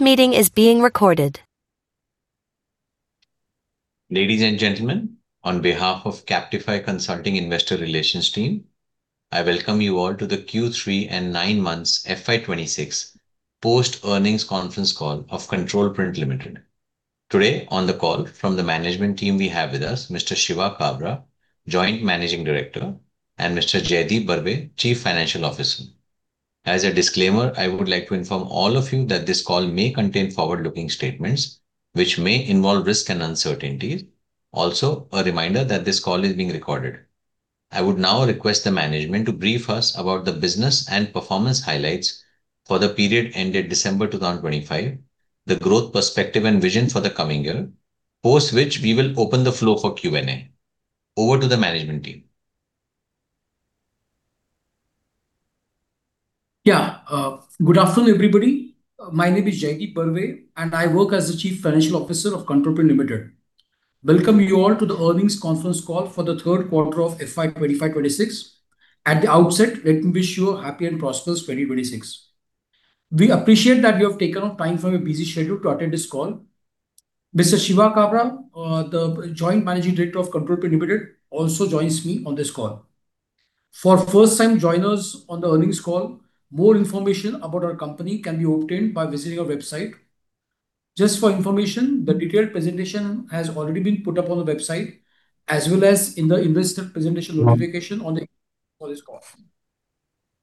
Ladies and gentlemen, on behalf of Kaptify Consulting Investor Relations team, I welcome you all to the Q3 and nine months FY 2026 post earnings conference call of Control Print Limited. Today, on the call from the management team, we have with us Mr. Shiva Kabra, Joint Managing Director, and Mr. Jaideep Barve, Chief Financial Officer. As a disclaimer, I would like to inform all of you that this call may contain forward-looking statements, which may involve risks and uncertainties. Also, a reminder that this call is being recorded. I would now request the management to brief us about the business and performance highlights for the period ended December 2025, the growth perspective and vision for the coming year, post which we will open the floor for Q&A. Over to the management team. Yeah. Good afternoon, everybody. My name is Jaideep Barve, and I work as the Chief Financial Officer of Control Print Limited. Welcome you all to the earnings conference call for the third quarter of FY 25-26. At the outset, let me wish you a happy and prosperous 2026. We appreciate that you have taken out time from your busy schedule to attend this call. Mr. Shiva Kabra, the Joint Managing Director of Control Print Limited, also joins me on this call. For first-time joiners on the earnings call, more information about our company can be obtained by visiting our website. Just for information, the detailed presentation has already been put up on the website, as well as in the investor presentation notification on the call this conference.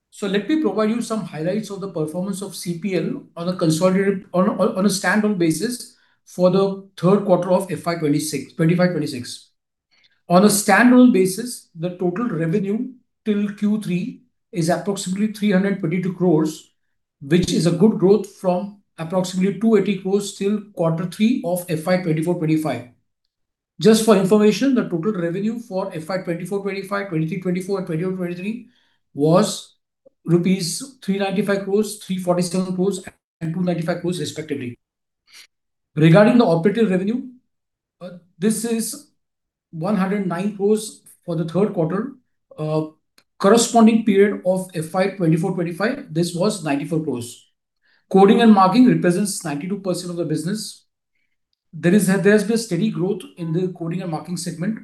So let me provide you some highlights of the performance of CPL on a consolidated—on a standalone basis for the third quarter of FY 2025-26. On a standalone basis, the total revenue till Q3 is approximately 322 crore, which is a good growth from approximately 280 crore till quarter three of FY 2024-25. Just for information, the total revenue for FY 2024-25, 2023-24, and 2022-23 was rupees 395 crore, 347 crore, and 295 crore respectively. Regarding the operating revenue, this is 109 crore for the third quarter. Corresponding period of FY 2024-25, this was 94 crore. Coding and marking represents 92% of the business. There has been a steady growth in the coding and marking segment.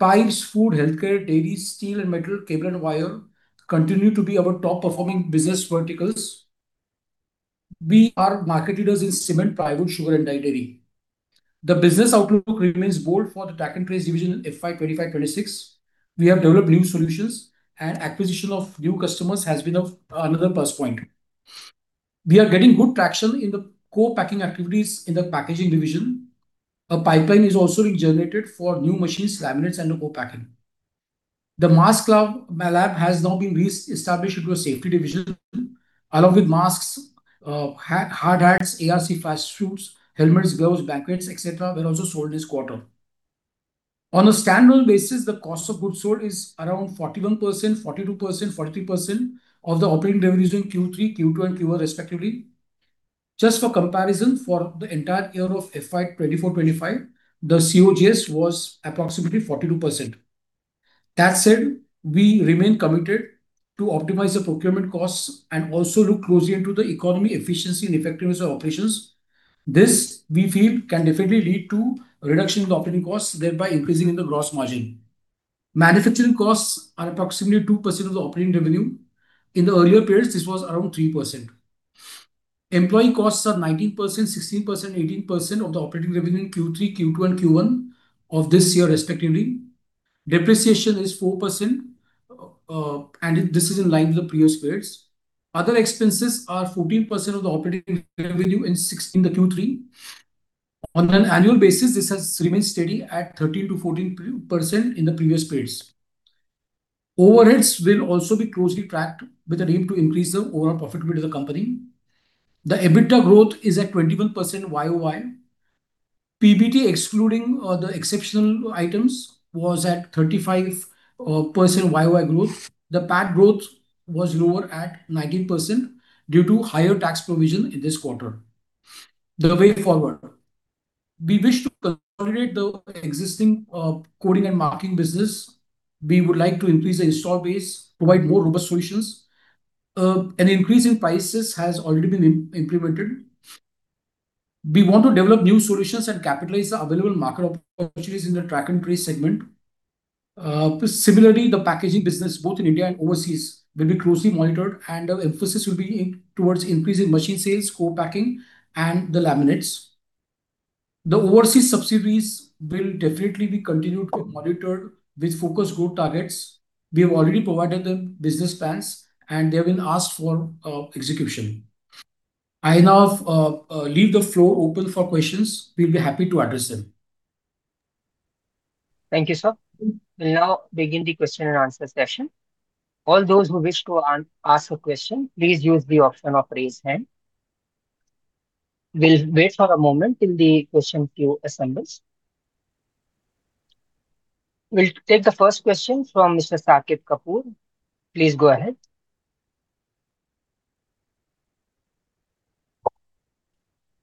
Pipes, food, healthcare, dairy, steel and metal, cable and wire continue to be our top-performing business verticals. We are market leaders in cement, plywood, sugar, and dairy. The business outlook remains bold for the track and trace division in FY 2025, 2026. We have developed new solutions, and acquisition of new customers has been another plus point. We are getting good traction in the co-packing activities in the packaging division. A pipeline is also being generated for new machines, laminates, and the co-packing. The Mask Lab has now been re-established into a safety division, along with masks, hard hats, arc flash suits, helmets, gloves, blankets, et cetera, were also sold this quarter. On a standalone basis, the cost of goods sold is around 41%, 42%, 43% of the operating revenues in Q3, Q2, and Q1 respectively. Just for comparison, for the entire year of FY 2024-25, the COGS was approximately 42%. That said, we remain committed to optimize the procurement costs and also look closely into the economy, efficiency, and effectiveness of operations. This, we feel, can definitely lead to reduction in the operating costs, thereby increasing in the gross margin. Manufacturing costs are approximately 2% of the operating revenue. In the earlier periods, this was around 3%. Employee costs are 19%, 16%, 18% of the operating revenue in Q3, Q2, and Q1 of this year respectively. Depreciation is 4%, and this is in line with the previous periods. Other expenses are 14% of the operating revenue in the Q3. On an annual basis, this has remained steady at 13%-14% in the previous periods. Overheads will also be closely tracked with an aim to increase the overall profitability of the company. The EBITDA growth is at 21% YOY. PBT, excluding the exceptional items, was at 35% YOY growth. The PAT growth was lower at 19% due to higher tax provision in this quarter. The way forward. We wish to consolidate the existing coding and marking business. We would like to increase the install base, provide more robust solutions. An increase in prices has already been implemented. We want to develop new solutions and capitalize the available market opportunities in the track and trace segment. Similarly, the packaging business, both in India and overseas, will be closely monitored, and our emphasis will be in towards increasing machine sales, co-packing, and the laminates. The overseas subsidiaries will definitely be continued to be monitored with focused growth targets. We have already provided them business plans, and they've been asked for execution. I now leave the floor open for questions. We'll be happy to address them. Thank you, sir. We'll now begin the question and answer session. All those who wish to ask a question, please use the option of raise hand. We'll wait for a moment till the question queue assembles. We'll take the first question from Mr. Saket Kapoor. Please go ahead.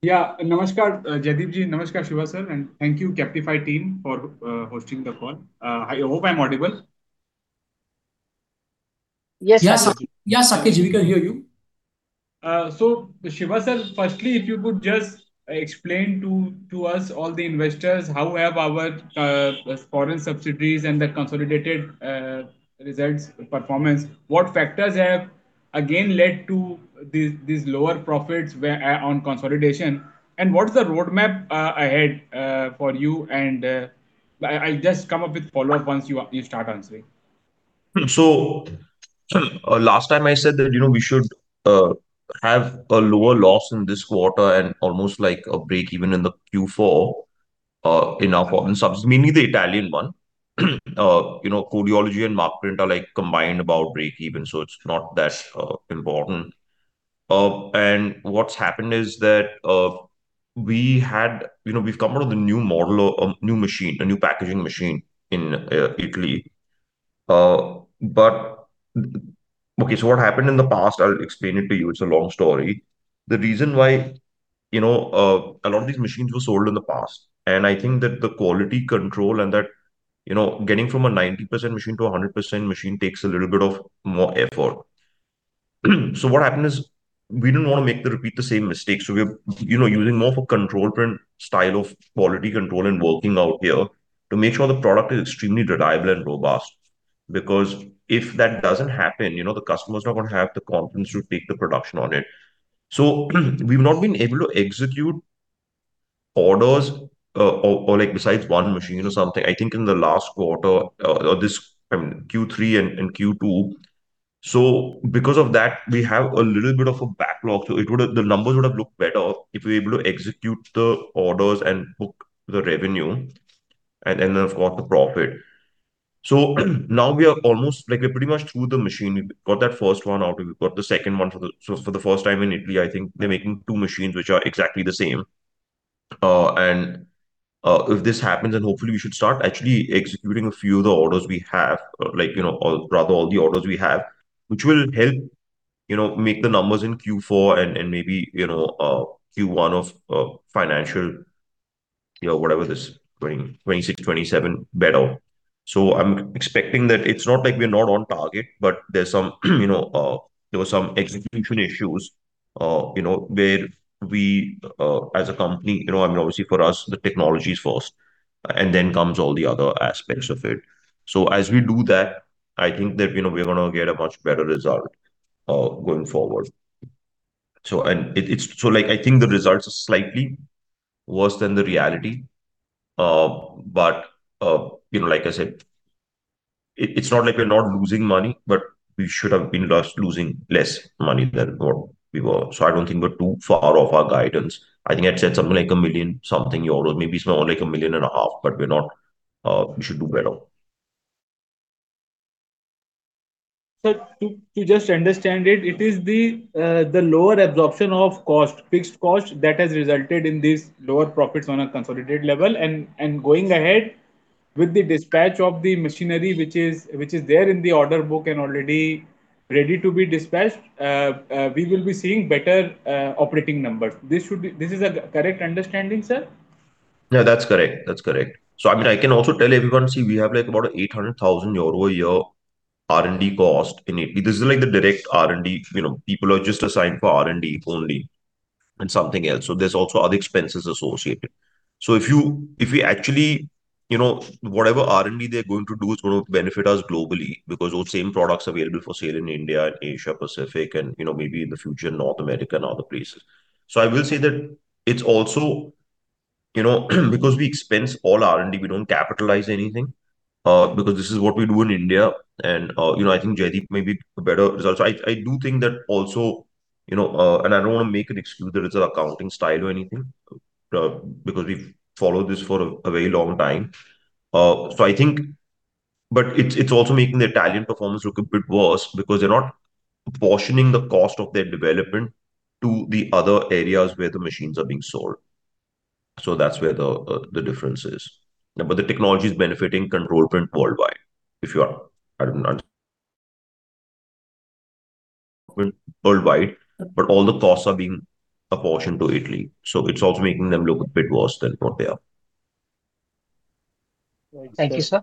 Yeah. Namaskar, Jaideep ji. Namaskar, Shiva, sir, and thank you, Kaptify team, for hosting the call. I hope I'm audible? Yeah, Saket. Yeah, Saket ji, we can hear you. So Shiva sir, firstly, if you could just explain to, to us, all the investors, how have our foreign subsidiaries and their consolidated results performance, what factors have again led to these, these lower profits where on consolidation, and what is the roadmap ahead for you? I, I'll just come up with follow-up once you, you start answering. Last time I said that, you know, we should have a lower loss in this quarter and almost like a break even in the Q4 in our foreign subs, mainly the Italian one. You know, Codeology and Markprint are, like, combined about break even, so it's not that important. And what's happened is that we had. You know, we've come up with a new model or a new machine, a new packaging machine in Italy. But okay, so what happened in the past, I'll explain it to you. It's a long story. The reason why, you know, a lot of these machines were sold in the past, and I think that the quality control and that, you know, getting from a 90% machine to a 100% machine takes a little bit of more effort. So what happened is, we didn't want to make, repeat the same mistake, so we're, you know, using more of a Control Print style of quality control and working out here to make sure the product is extremely reliable and robust. Because if that doesn't happen, you know, the customer's not gonna have the confidence to take the production on it. So, we've not been able to execute orders, or like besides one machine or something, I think in the last quarter, or this, Q3 and Q2. So because of that, we have a little bit of a backlog. So, the numbers would have looked better if we were able to execute the orders and book the revenue, and then, of course, the profit. So, now we are almost, like, we're pretty much through the machine. We've got that first one out, we've got the second one. So for the first time in Italy, I think they're making two machines, which are exactly the same. And if this happens, then hopefully we should start actually executing a few of the orders we have, like, you know, or rather all the orders we have, which will help, you know, make the numbers in Q4 and, and maybe, you know, Q1 of financial, you know, whatever this, 2026, 2027 better. So I'm expecting that. It's not like we're not on target, but there's some, you know, there were some execution issues, you know, where we, as a company, you know, I mean, obviously, for us, the technology is first, and then comes all the other aspects of it. So as we do that, I think that, you know, we're gonna get a much better result going forward. So, like, I think the results are slightly worse than the reality. But, you know, like I said, it's not like we're not losing money, but we should have been losing less money than what we were. So I don't think we're too far off our guidance. I think I'd said something like 1 million euros. Maybe it's more like 1.5 million, but we're not, we should do better. Sir, to just understand it, it is the lower absorption of cost, fixed cost, that has resulted in these lower profits on a consolidated level. And going ahead with the dispatch of the machinery, which is there in the order book and already ready to be dispatched, we will be seeing better operating numbers. This is a correct understanding, sir? Yeah, that's correct. That's correct. So, I mean, I can also tell everyone, see, we have, like, about 800,000 euro a year R&D cost in Italy. This is, like, the direct R&D, you know, people are just assigned for R&D only and something else, so there's also other expenses associated. So if we actually... You know, whatever R&D they're going to do is gonna benefit us globally because those same products are available for sale in India and Asia Pacific and, you know, maybe in the future, North America and other places. So I will say that it's also, you know, because we expense all R&D, we don't capitalize anything, because this is what we do in India. And, you know, I think Jaideep may be a better result. So I do think that also, you know, and I don't want to make an excuse that it's an accounting style or anything, because we've followed this for a very long time. So I think. But it's also making the Italian performance look a bit worse because they're not apportioning the cost of their development to the other areas where the machines are being sold. So that's where the difference is. But the technology is benefiting Control Print worldwide, if you are, I don't know, worldwide, but all the costs are being apportioned to Italy, so it's also making them look a bit worse than what they are. Thank you, sir.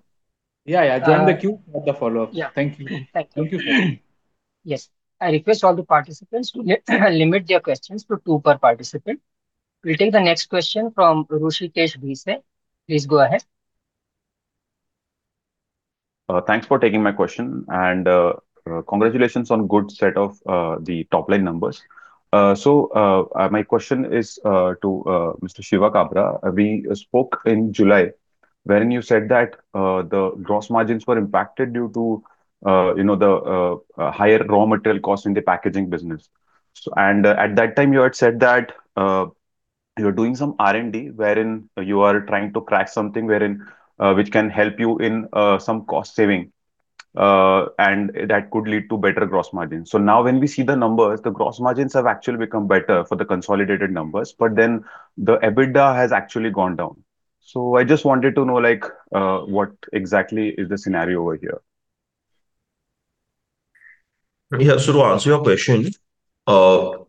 Yeah, yeah. Join the queue for the follow-up. Yeah. Thank you. Thank you. Thank you. Yes. I request all the participants to limit their questions to two per participant. We'll take the next question from Hrushikesh Bhise. Please go ahead. Thanks for taking my question, and congratulations on good set of the top-line numbers. So, my question is to Mr. Shiva Kabra. We spoke in July, when you said that the gross margins were impacted due to, you know, the higher raw material cost in the packaging business. So, and at that time, you had said that you're doing some R&D, wherein you are trying to crack something, wherein which can help you in some cost saving, and that could lead to better gross margins. So now when we see the numbers, the gross margins have actually become better for the consolidated numbers, but then the EBITDA has actually gone down. So I just wanted to know, like, what exactly is the scenario over here? Yeah. So to answer your question, the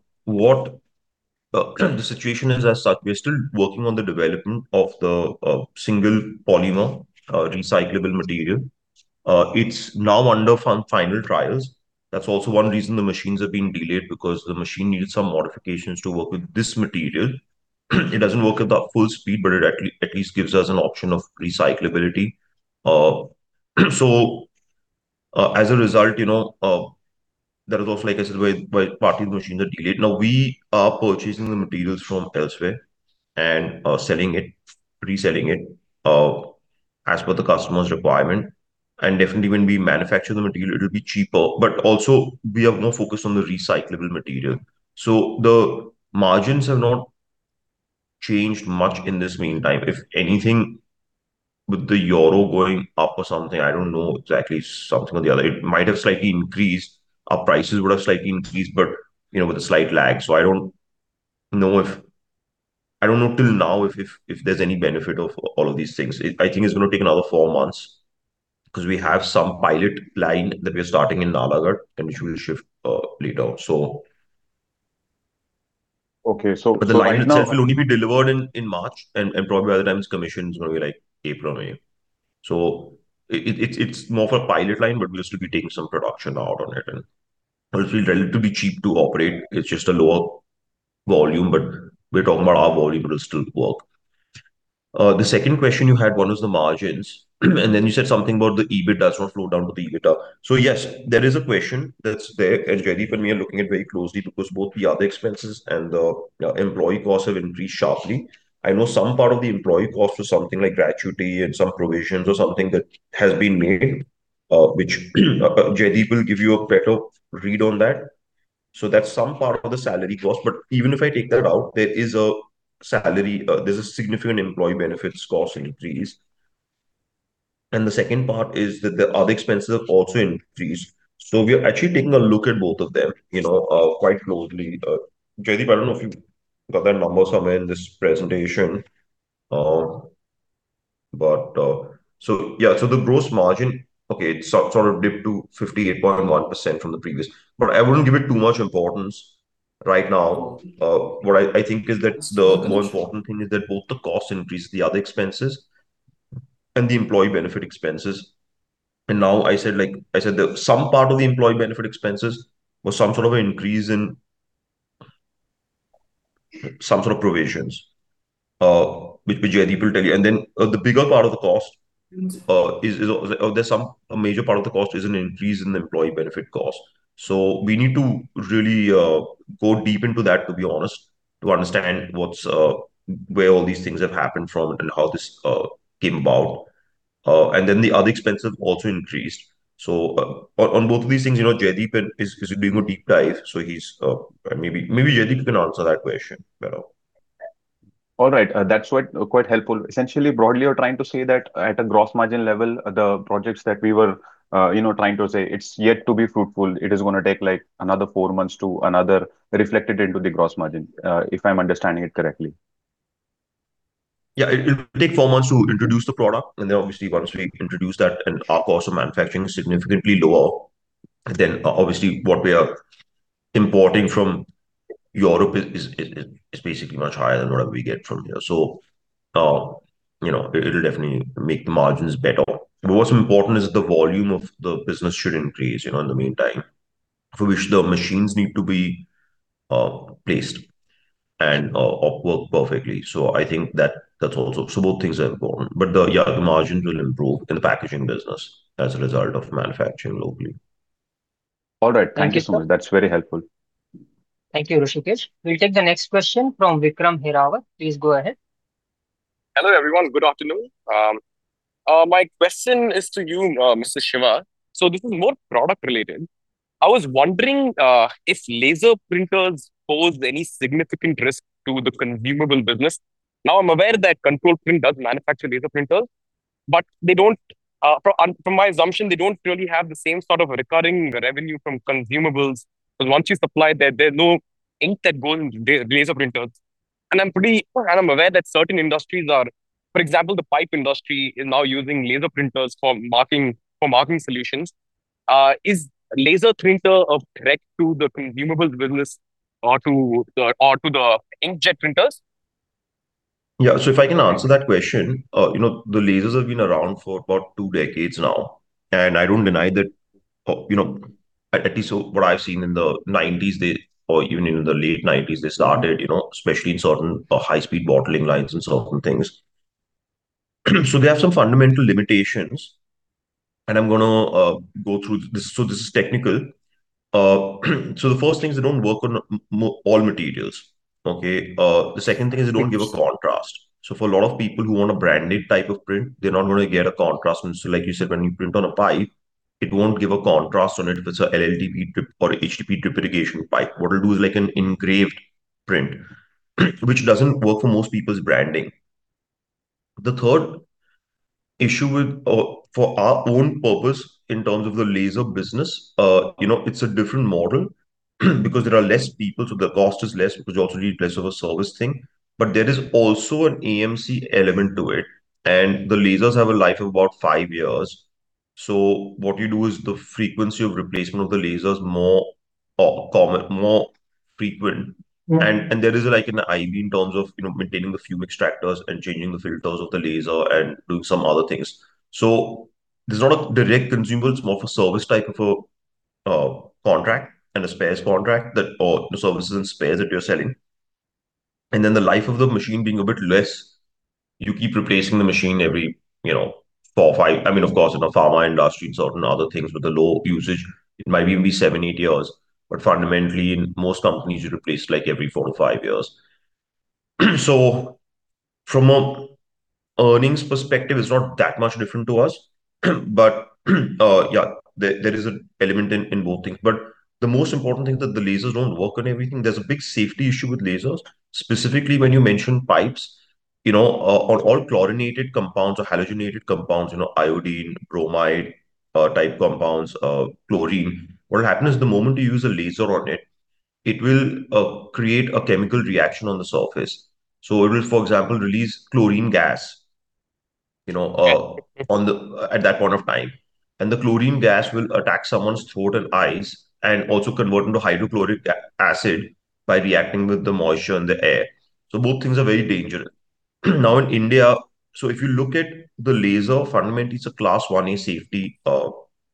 situation is as such, we're still working on the development of the single polymer recyclable material. It's now under final trials. That's also one reason the machines are being delayed, because the machine needs some modifications to work with this material. It doesn't work at the full speed, but it at least gives us an option of recyclability. So, as a result, you know, that is also, like I said, why V-Shapes machines are delayed. Now, we are purchasing the materials from elsewhere and selling it, reselling it as per the customer's requirement. And definitely when we manufacture the material, it'll be cheaper, but also we are more focused on the recyclable material. So the margins have not changed much in this meantime. If anything, with the euro going up or something, I don't know exactly, something or the other, it might have slightly increased. Our prices would have slightly increased, but, you know, with a slight lag. So I don't know if... I don't know till now if there's any benefit of all of these things. I think it's gonna take another four months, because we have some pilot line that we are starting in Nalagarh, and which we will shift later. So- Okay, so- But the line itself will only be delivered in March, and probably by the time it's commissioned, it's gonna be like April, May. So it's more of a pilot line, but we'll still be taking some production out on it, and it'll be relatively cheap to operate. It's just a lower volume, but we're talking about our volume, it'll still work. The second question you had, one was the margins, and then you said something about the EBIT does not flow down to the EBITDA. So yes, there is a question that's there, and Jaideep and me are looking at it very closely because both the other expenses and the employee costs have increased sharply. I know some part of the employee cost was something like gratuity and some provisions or something that has been made, which Jaideep will give you a better read on that. So that's some part of the salary cost. But even if I take that out, there is a salary, there's a significant employee benefits cost increase. And the second part is that the other expenses have also increased. So we are actually taking a look at both of them, you know, quite closely. Jaideep, I don't know if you've got that number somewhere in this presentation, but... So yeah, so the gross margin, okay, it sort of dipped to 58.1% from the previous. But I wouldn't give it too much importance right now. What I think is that the most important thing is that both the cost increase, the other expenses, and the employee benefit expenses. Now I said, like I said, the some part of the employee benefit expenses was some sort of an increase in some sort of provisions, which Jaideep will tell you. And then, the bigger part of the cost is a major part of the cost is an increase in the employee benefit cost. So we need to really go deep into that, to be honest, to understand what's where all these things have happened from and how this came about. And then the other expenses also increased. So, on both of these things, you know, Jaideep is doing a deep dive, so he's... Maybe, maybe Jaideep can answer that question better. All right. That's what, quite helpful. Essentially, broadly, you're trying to say that at a gross margin level, the projects that we were, you know, trying to say, it's yet to be fruitful. It is gonna take, like, another four months to another, reflected into the gross margin, if I'm understanding it correctly. Yeah, it will take four months to introduce the product, and then obviously once we introduce that, and our cost of manufacturing is significantly lower than obviously what we are importing from Europe is basically much higher than whatever we get from here. So, you know, it'll definitely make the margins better. But what's important is the volume of the business should increase, you know, in the meantime, for which the machines need to be placed and work perfectly. So I think that that's also. So both things are important. But yeah, the margins will improve in the packaging business as a result of manufacturing locally. All right. Thank you so much. Thank you. That's very helpful. Thank you, Hrushikesh. We'll take the next question from Vikram Hirawat. Please go ahead. Hello, everyone. Good afternoon. My question is to you, Mr. Shiva. So this is more product related. I was wondering if laser printers pose any significant risk to the consumable business? Now, I'm aware that Control Print does manufacture laser printers, but they don't, from my assumption, they don't really have the same sort of recurring revenue from consumables, because once you supply that, there's no ink that goes into laser printers. And I'm aware that certain industries are, for example, the pipe industry is now using laser printers for marking, for marking solutions. Is laser printer a threat to the consumables business or to the inkjet printers? Yeah. So if I can answer that question, you know, the lasers have been around for about two decades now, and I don't deny that, you know, at least what I've seen in the 1990s, or even in the late 1990s, they started, you know, especially in certain high-speed bottling lines and certain things. So they have some fundamental limitations, and I'm gonna go through this. So this is technical. So the first thing is they don't work on all materials, okay? The second thing is they don't give a contrast. So for a lot of people who want a branded type of print, they're not gonna get a contrast. And so like you said, when you print on a pipe, it won't give a contrast on it if it's an LLDPE drip or HDPE drip irrigation pipe. What it'll do is like an engraved print, which doesn't work for most people's branding. The third issue with, for our own purpose in terms of the laser business, you know, it's a different model, because there are less people, so the cost is less, which is also less of a service thing, but there is also an AMC element to it, and the lasers have a life of about five years. So what you do is the frequency of replacement of the laser is more common, more frequent. And there is, like, an IV in terms of, you know, maintaining the fume extractors and changing the filters of the laser and doing some other things. So there's not a direct consumable, it's more of a service type of a contract and a spares contract that, or the services and spares that you're selling. And then the life of the machine being a bit less, you keep replacing the machine every, you know, 4 or 5- I mean, of course, in the pharma industry and certain other things with the low usage, it might even be 7, 8 years. But fundamentally, in most companies, you replace, like, every 4-5 years. So from a earnings perspective, it's not that much different to us. But, yeah, there, there is an element in, in both things. But the most important thing is that the lasers don't work on everything. There's a big safety issue with lasers. Specifically, when you mention pipes, you know, on all chlorinated compounds or halogenated compounds, you know, iodine, bromide, type compounds, chlorine, what will happen is the moment you use a laser on it, it will create a chemical reaction on the surface. So it will, for example, release chlorine gas, you know- On the at that point of time. And the chlorine gas will attack someone's throat and eyes, and also convert into hydrochloric acid by reacting with the moisture in the air. So both things are very dangerous. Now, in India, so if you look at the laser, fundamentally, it's a Class 1A safety,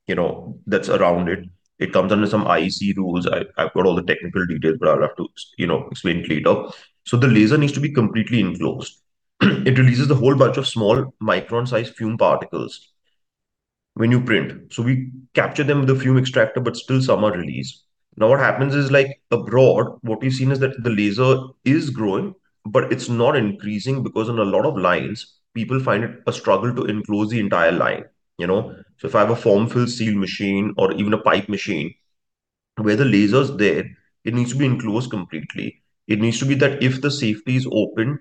you know, that's around it. It comes under some IEC rules. I've got all the technical details, but I'll have to, you know, explain it later. So the laser needs to be completely enclosed. It releases a whole bunch of small micron-sized fume particles when you print, so we capture them with the fume extractor, but still some are released. Now, what happens is, like abroad, what we've seen is that the laser is growing, but it's not increasing because in a lot of lines, people find it a struggle to enclose the entire line, you know? So if I have a form, fill, seal machine or even a pipe machine, where the laser's there, it needs to be enclosed completely. It needs to be that if the safety is open,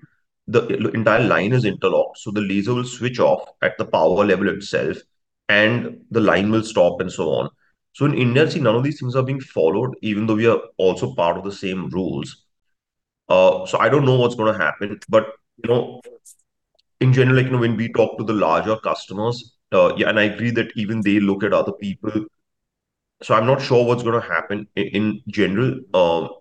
the entire line is interlocked, so the laser will switch off at the power level itself, and the line will stop, and so on. So in India, see, none of these things are being followed, even though we are also part of the same rules. So I don't know what's gonna happen, but, you know, in general, like, you know, when we talk to the larger customers, yeah, and I agree that even they look at other people, so I'm not sure what's gonna happen in general.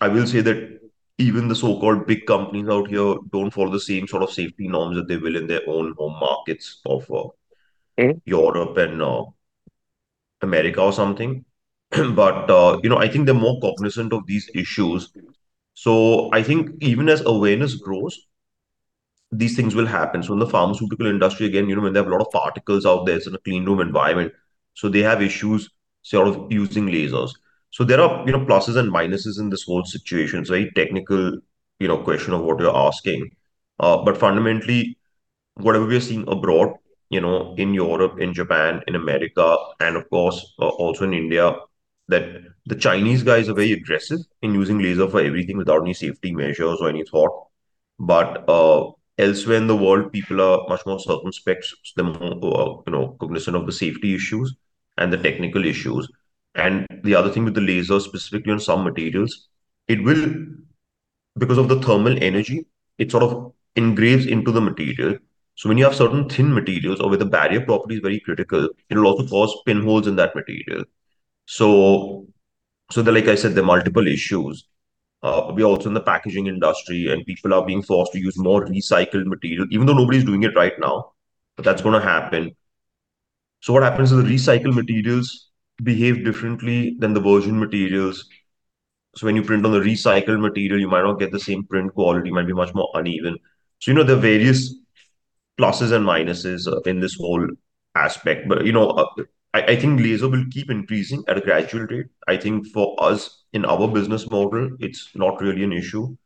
I will say that even the so-called big companies out here don't follow the same sort of safety norms that they will in their own home markets of, Europe and, America or something. But, you know, I think they're more cognizant of these issues. So I think even as awareness grows, these things will happen. So in the pharmaceutical industry, again, you know, when they have a lot of particles out there. It's in a clean room environment, so they have issues sort of using lasers. So there are, you know, pluses and minuses in this whole situation. It's a very technical, you know, question of what you're asking. But fundamentally, what we are seeing abroad, you know, in Europe, in Japan, in America, and of course, also in India, that the Chinese guys are very aggressive in using laser for everything without any safety measures or any thought. But, elsewhere in the world, people are much more circumspect. They're more, you know, cognizant of the safety issues and the technical issues. And the other thing with the laser, specifically on some materials, it will... Because of the thermal energy, it sort of engraves into the material. So when you have certain thin materials or where the barrier property is very critical, it'll also cause pinholes in that material. So, like I said, there are multiple issues. We are also in the packaging industry, and people are being forced to use more recycled material, even though nobody's doing it right now, but that's gonna happen. So what happens is the recycled materials behave differently than the virgin materials. So when you print on the recycled material, you might not get the same print quality. It might be much more uneven. So, you know, there are various pluses and minuses in this whole aspect. But, you know, I think laser will keep increasing at a gradual rate. I think for us, in our business model, it's not really an issue.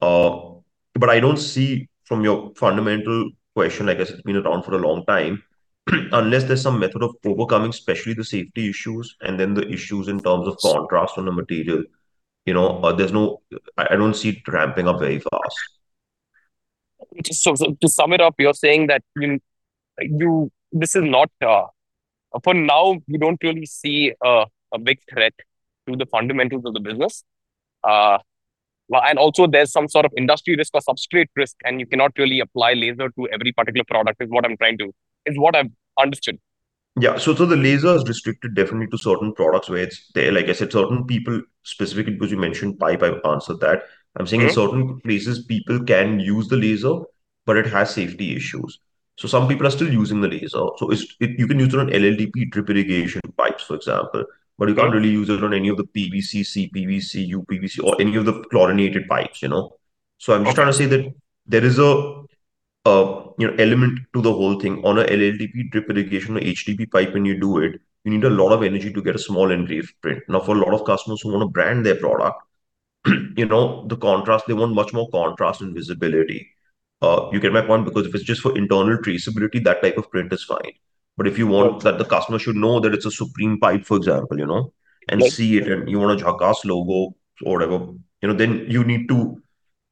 But I don't see, from your fundamental question, I guess it's been around for a long time, unless there's some method of overcoming, especially the safety issues and then the issues in terms of contrast on the material, you know, I don't see it ramping up very fast. Just so, so to sum it up, you're saying that, I mean, like, this is not... For now, you don't really see a big threat to the fundamentals of the business. Well, and also there's some sort of industry risk or substrate risk, and you cannot really apply laser to every particular product, is what I'm trying to—is what I've understood. Yeah. So, so the laser is restricted definitely to certain products where it's there. Like I said, certain people, specifically because you mentioned pipe, I've answered that. I'm saying in certain places people can use the laser, but it has safety issues, so some people are still using the laser. So it's, you can use it on LLDP drip irrigation pipes, for example, but you can't really use it on any of the PVC, CPVC, UPVC, or any of the chlorinated pipes, you know? So I'm just trying to say that there is a, you know, element to the whole thing. On a LLDPE drip irrigation or HDPE pipe, when you do it, you need a lot of energy to get a small engraved print. Now, for a lot of customers who want to brand their product, you know, the contrast, they want much more contrast and visibility. You get my point, because if it's just for internal traceability, that type of print is fine. But if you want- Okay That the customer should know that it's a Supreme pipe, for example, you know? And see it, and you want a Dhakad logo or whatever, you know, then you need to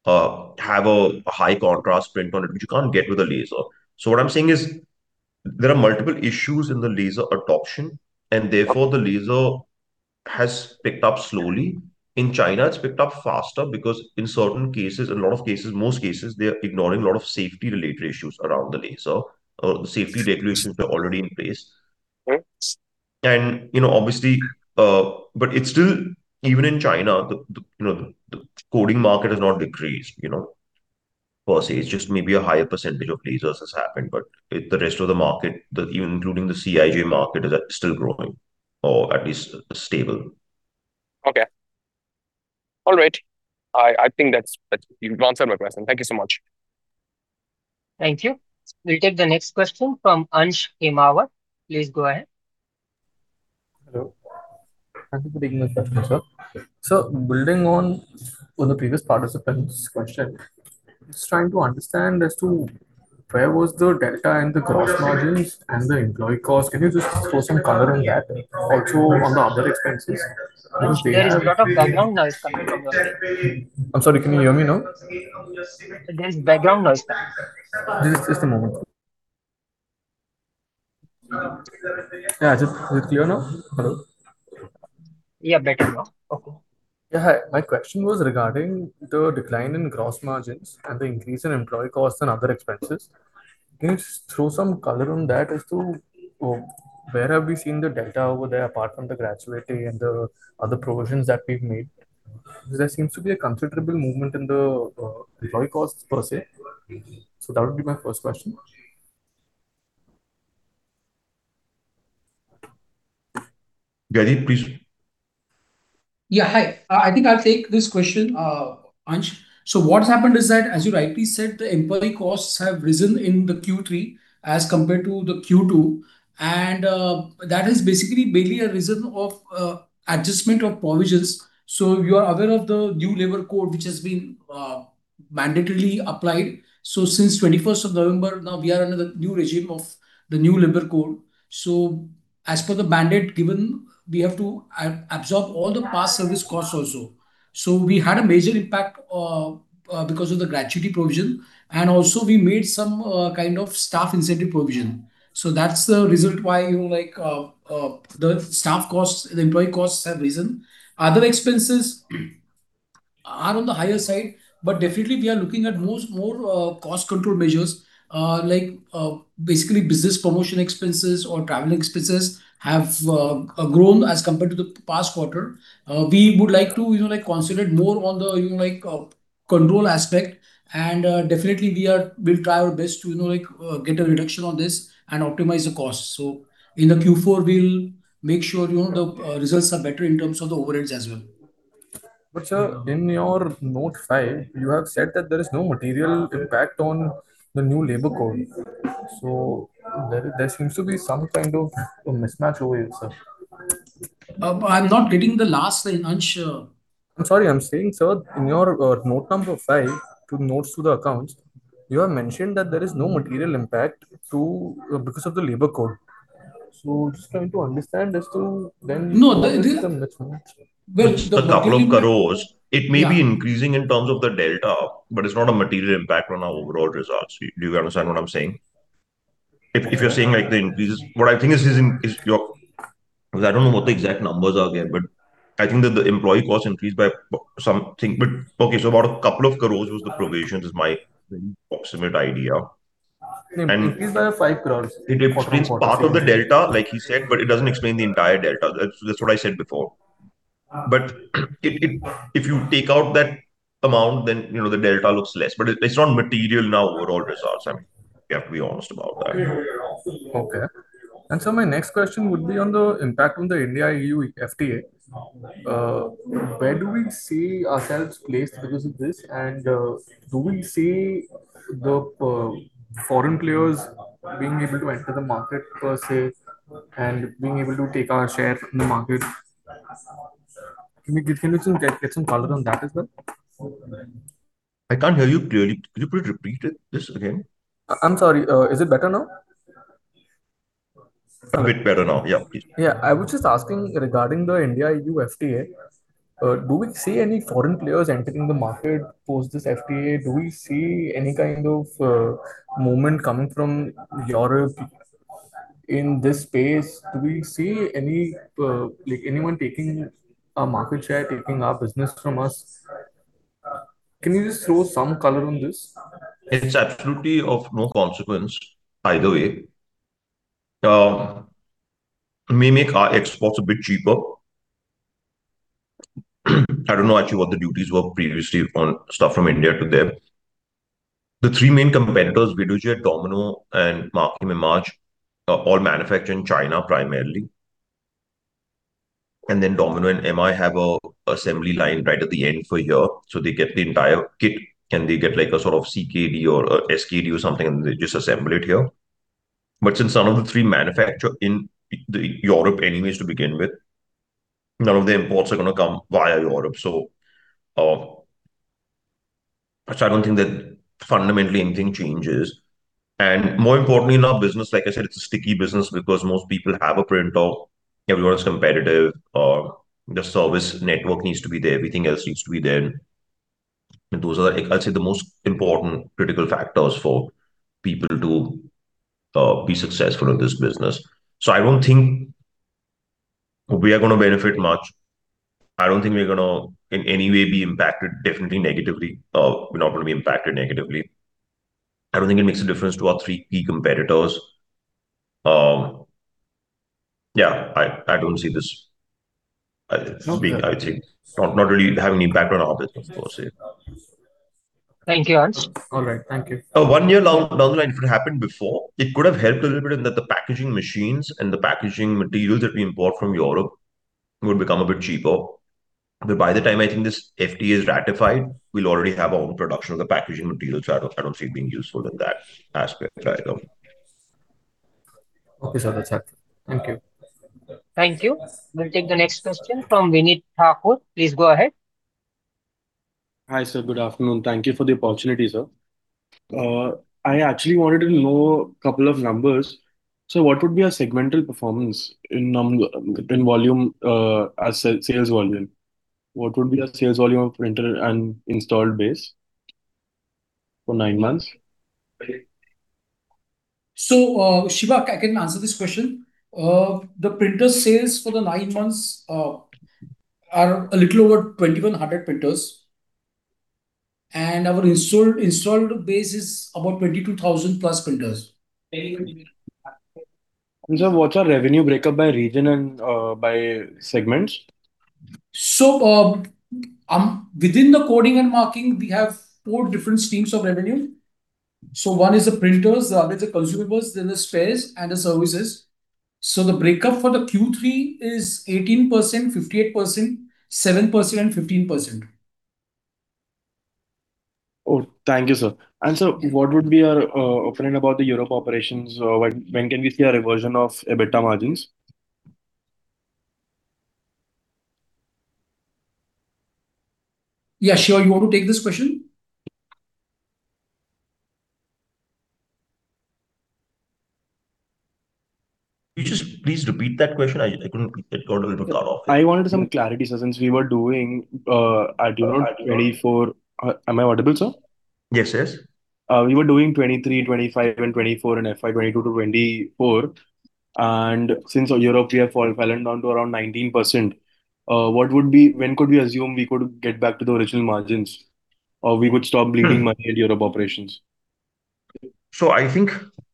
have a high-contrast print on it, which you can't get with a laser. So what I'm saying is, there are multiple issues in the laser adoption, and therefore, the laser has picked up slowly. In China, it's picked up faster because in certain cases, a lot of cases, most cases, they are ignoring a lot of safety-related issues around the laser, or the safety regulations are already in place. Okay. And, you know, obviously, but it's still, even in China, the, you know, the coding market has not decreased, you know, per se. It's just maybe a higher percentage of lasers has happened, but it—the rest of the market, the, even including the CIJ market, is still growing or at least stable. Okay. All right. I think that's it. You've answered my question. Thank you so much. Thank you. We'll take the next question from Ansh Himawat. Please go ahead. Hello. Thank you for taking my question, sir. So building on, on the previous participant's question, just trying to understand as to where was the delta and the gross margins and the employee cost. Can you just throw some color on that? Also, on the other expenses. There is a lot of background noise coming from your end. I'm sorry, can you hear me now? There is background noise coming. Just a moment. Yeah, Ajit, is it clear now? Hello. Yeah, better now. Okay. Yeah, hi. My question was regarding the decline in gross margins and the increase in employee costs and other expenses. Can you just throw some color on that as to where have we seen the delta over there, apart from the gratuity and the other provisions that we've made? Because there seems to be a considerable movement in the employee costs per se. So that would be my first question. Gajit, please. Yeah. Hi, I think I'll take this question, Ansh. So what happened is that, as you rightly said, the employee costs have risen in the Q3 as compared to the Q2, and that is basically mainly a reason of adjustment of provisions. So you are aware of the new labor code, which has been mandatorily applied. So since 21st of November, now we are under the new regime of the new labor code. So as per the mandate given, we have to absorb all the past service costs also. So we had a major impact because of the gratuity provision, and also we made some kind of staff incentive provision. So that's the result why, you know, like, the staff costs, the employee costs have risen. Other expenses are on the higher side, but definitely we are looking at most more cost control measures. Like, basically, business promotion expenses or travel expenses have grown as compared to the past quarter. We would like to, you know, like, concentrate more on the, you know, like, control aspect. And, definitely, we are-- we'll try our best to, you know, like, get a reduction on this and optimize the costs. So in the Q4, we'll make sure, you know, the results are better in terms of the overheads as well. But, sir, in your note file, you have said that there is no material impact on the new labor code. So there seems to be some kind of a mismatch over here, sir. I'm not getting the last line, Ansh. I'm sorry. I'm saying, sir, in your note number five, to notes to the accounts, you have mentioned that there is no material impact to because of the labor code. So just trying to understand as to then- No, the- The mismatch. Which the material impact- The INR 2 crores- Yeah It may be increasing in terms of the delta, but it's not a material impact on our overall results. Do you understand what I'm saying? Okay. If you're saying, like, the increase is... What I think is in your-- I don't know what the exact numbers are here, but I think that the employee costs increased by something. But, okay, so about 2 crore was the provisions, is my approximate idea. And- Increased by 5 crores. Which means part of the delta, like he said, but it doesn't explain the entire delta. That's, that's what I said before. But if, if, if you take out that amount, then, you know, the delta looks less. But it, it's not material in our overall results. I mean, we have to be honest about that. Okay. And so my next question would be on the impact on the India-EU FTA. Where do we see ourselves placed because of this? And, do we see the foreign players being able to enter the market per se, and being able to take our share in the market? Can we get some color on that as well? I can't hear you clearly. Can you please repeat this again? I'm sorry. Is it better now? A bit better now, yeah, please. Yeah. I was just asking regarding the India-EU FTA, do we see any foreign players entering the market post this FTA? Do we see any kind of, movement coming from Europe in this space? Do we see any, like, anyone taking our market share, taking our business from us? Can you just throw some color on this? It's absolutely of no consequence either way. It may make our exports a bit cheaper. I don't know actually what the duties were previously on stuff from India to there. The three main competitors, Videojet, Domino and Markem-Imaje, all manufacture in China primarily. And then Domino and MI have an assembly line right at the end for here, so they get the entire kit, and they get like a sort of CKD or a SKD or something, and they just assemble it here. But since none of the three manufacture in the Europe anyways to begin with, none of the imports are gonna come via Europe. So, I don't think that fundamentally anything changes. And more importantly, in our business, like I said, it's a sticky business because most people have a printer, everyone is competitive, the service network needs to be there, everything else needs to be there.... and those are, I'd say, the most important critical factors for people to be successful in this business. So I don't think we are gonna benefit much. I don't think we're gonna in any way be impacted differently, negatively, we're not gonna be impacted negatively. I don't think it makes a difference to our three key competitors. Yeah, I don't see this being, I would say, not really having any bearing on this, of course. Thank you, Harsh. All right. Thank you. A one-year-long line, if it happened before, it could have helped a little bit in that the packaging machines and the packaging materials that we import from Europe would become a bit cheaper. But by the time I think this FTA is ratified, we'll already have our own production of the packaging materials. So I don't see it being useful in that aspect. Okay, sir. That's helpful. Thank you. Thank you. We'll take the next question from Vineet Thakur. Please go ahead. Hi, sir. Good afternoon. Thank you for the opportunity, sir. I actually wanted to know a couple of numbers. So what would be our segmental performance in volume, as sales volume? What would be the sales volume of printer and installed base for nine months? Shiva, I can answer this question. The printer sales for the nine months are a little over 2,100 printers, and our installed base is about 22,000 plus printers. Sir, what's our revenue breakup by region and by segments? So, within the coding and marking, we have four different streams of revenue. So one is the printers, the other is the consumables, then the spares and the services. So the breakup for the Q3 is 18%, 58%, 7%, and 15%. Oh, thank you, sir. Sir, what would be our opinion about the Europe operations? When can we see a reversion of EBITDA margins? Yeah, sure. You want to take this question? You just please repeat that question. I, I couldn't quite get it out of it. I wanted some clarity, sir, since we were doing, at, you know, 24... Am I audible, sir? Yes, yes. We were doing 23, 25, and 24 in FY 2022 to 2024, and since Europe, we have fallen down to around 19%. What would be? When could we assume we could get back to the original margins, or we would stop bleeding money in Europe operations? So I think,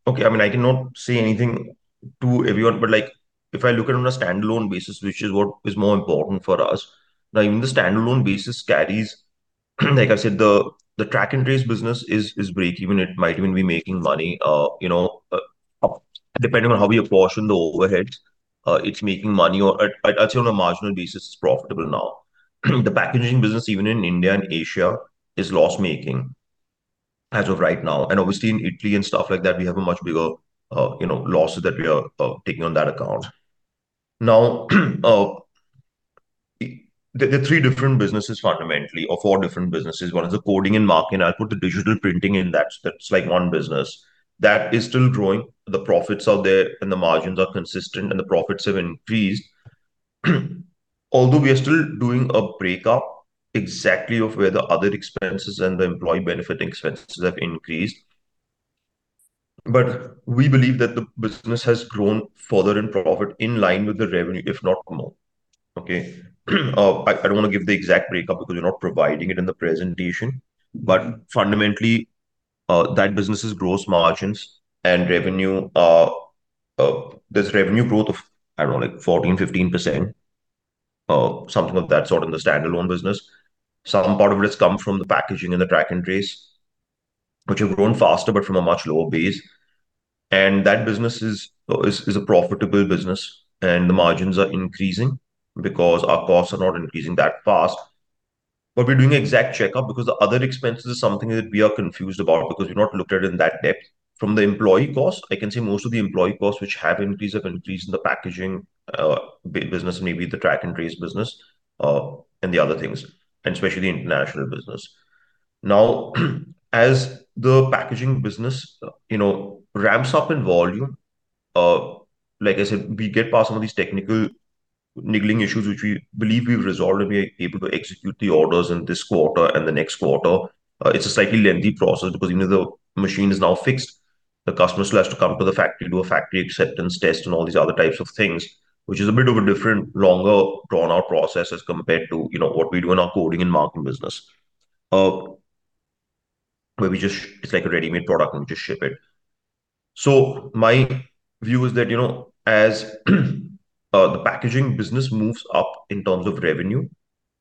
okay, I mean, I cannot say anything to everyone, but, like, if I look at it on a standalone basis, which is what is more important for us, now, even the standalone basis carries, like I said, the track and trace business is breakeven. It might even be making money, you know, depending on how we apportion the overheads, it's making money, or I'd say on a marginal basis, it's profitable now. The packaging business, even in India and Asia, is loss-making as of right now. And obviously, in Italy and stuff like that, we have a much bigger, you know, losses that we are taking on that account. Now, the three different businesses fundamentally, or four different businesses, one is the coding and marking. I put the digital printing in that. That's like one business that is still growing. The profits are there, and the margins are consistent, and the profits have increased. Although we are still doing a breakup exactly of where the other expenses and the employee benefit expenses have increased. But we believe that the business has grown further in profit in line with the revenue, if not more. Okay? I don't want to give the exact breakup because you're not providing it in the presentation, but fundamentally, that business's gross margins and revenue are, there's revenue growth of, I don't know, like 14%-15%, something of that sort in the standalone business. Some part of it has come from the packaging and the track and trace, which have grown faster but from a much lower base, and that business is, is, is a profitable business, and the margins are increasing because our costs are not increasing that fast. But we're doing an exact checkup because the other expenses is something that we are confused about because we've not looked at it in that depth. From the employee costs, I can say most of the employee costs, which have increased, have increased in the packaging business, maybe the track and trace business, and the other things, and especially the international business. Now, as the packaging business, you know, ramps up in volume, like I said, we get past some of these technical niggling issues, which we believe we've resolved, and we are able to execute the orders in this quarter and the next quarter. It's a slightly lengthy process because even though the machine is now fixed, the customer still has to come to the factory, do a factory acceptance test, and all these other types of things, which is a bit of a different, longer, drawn-out process as compared to, you know, what we do in our coding and marking business. Where we just, it's like a ready-made product and we just ship it. So my view is that, you know, as the packaging business moves up in terms of revenue,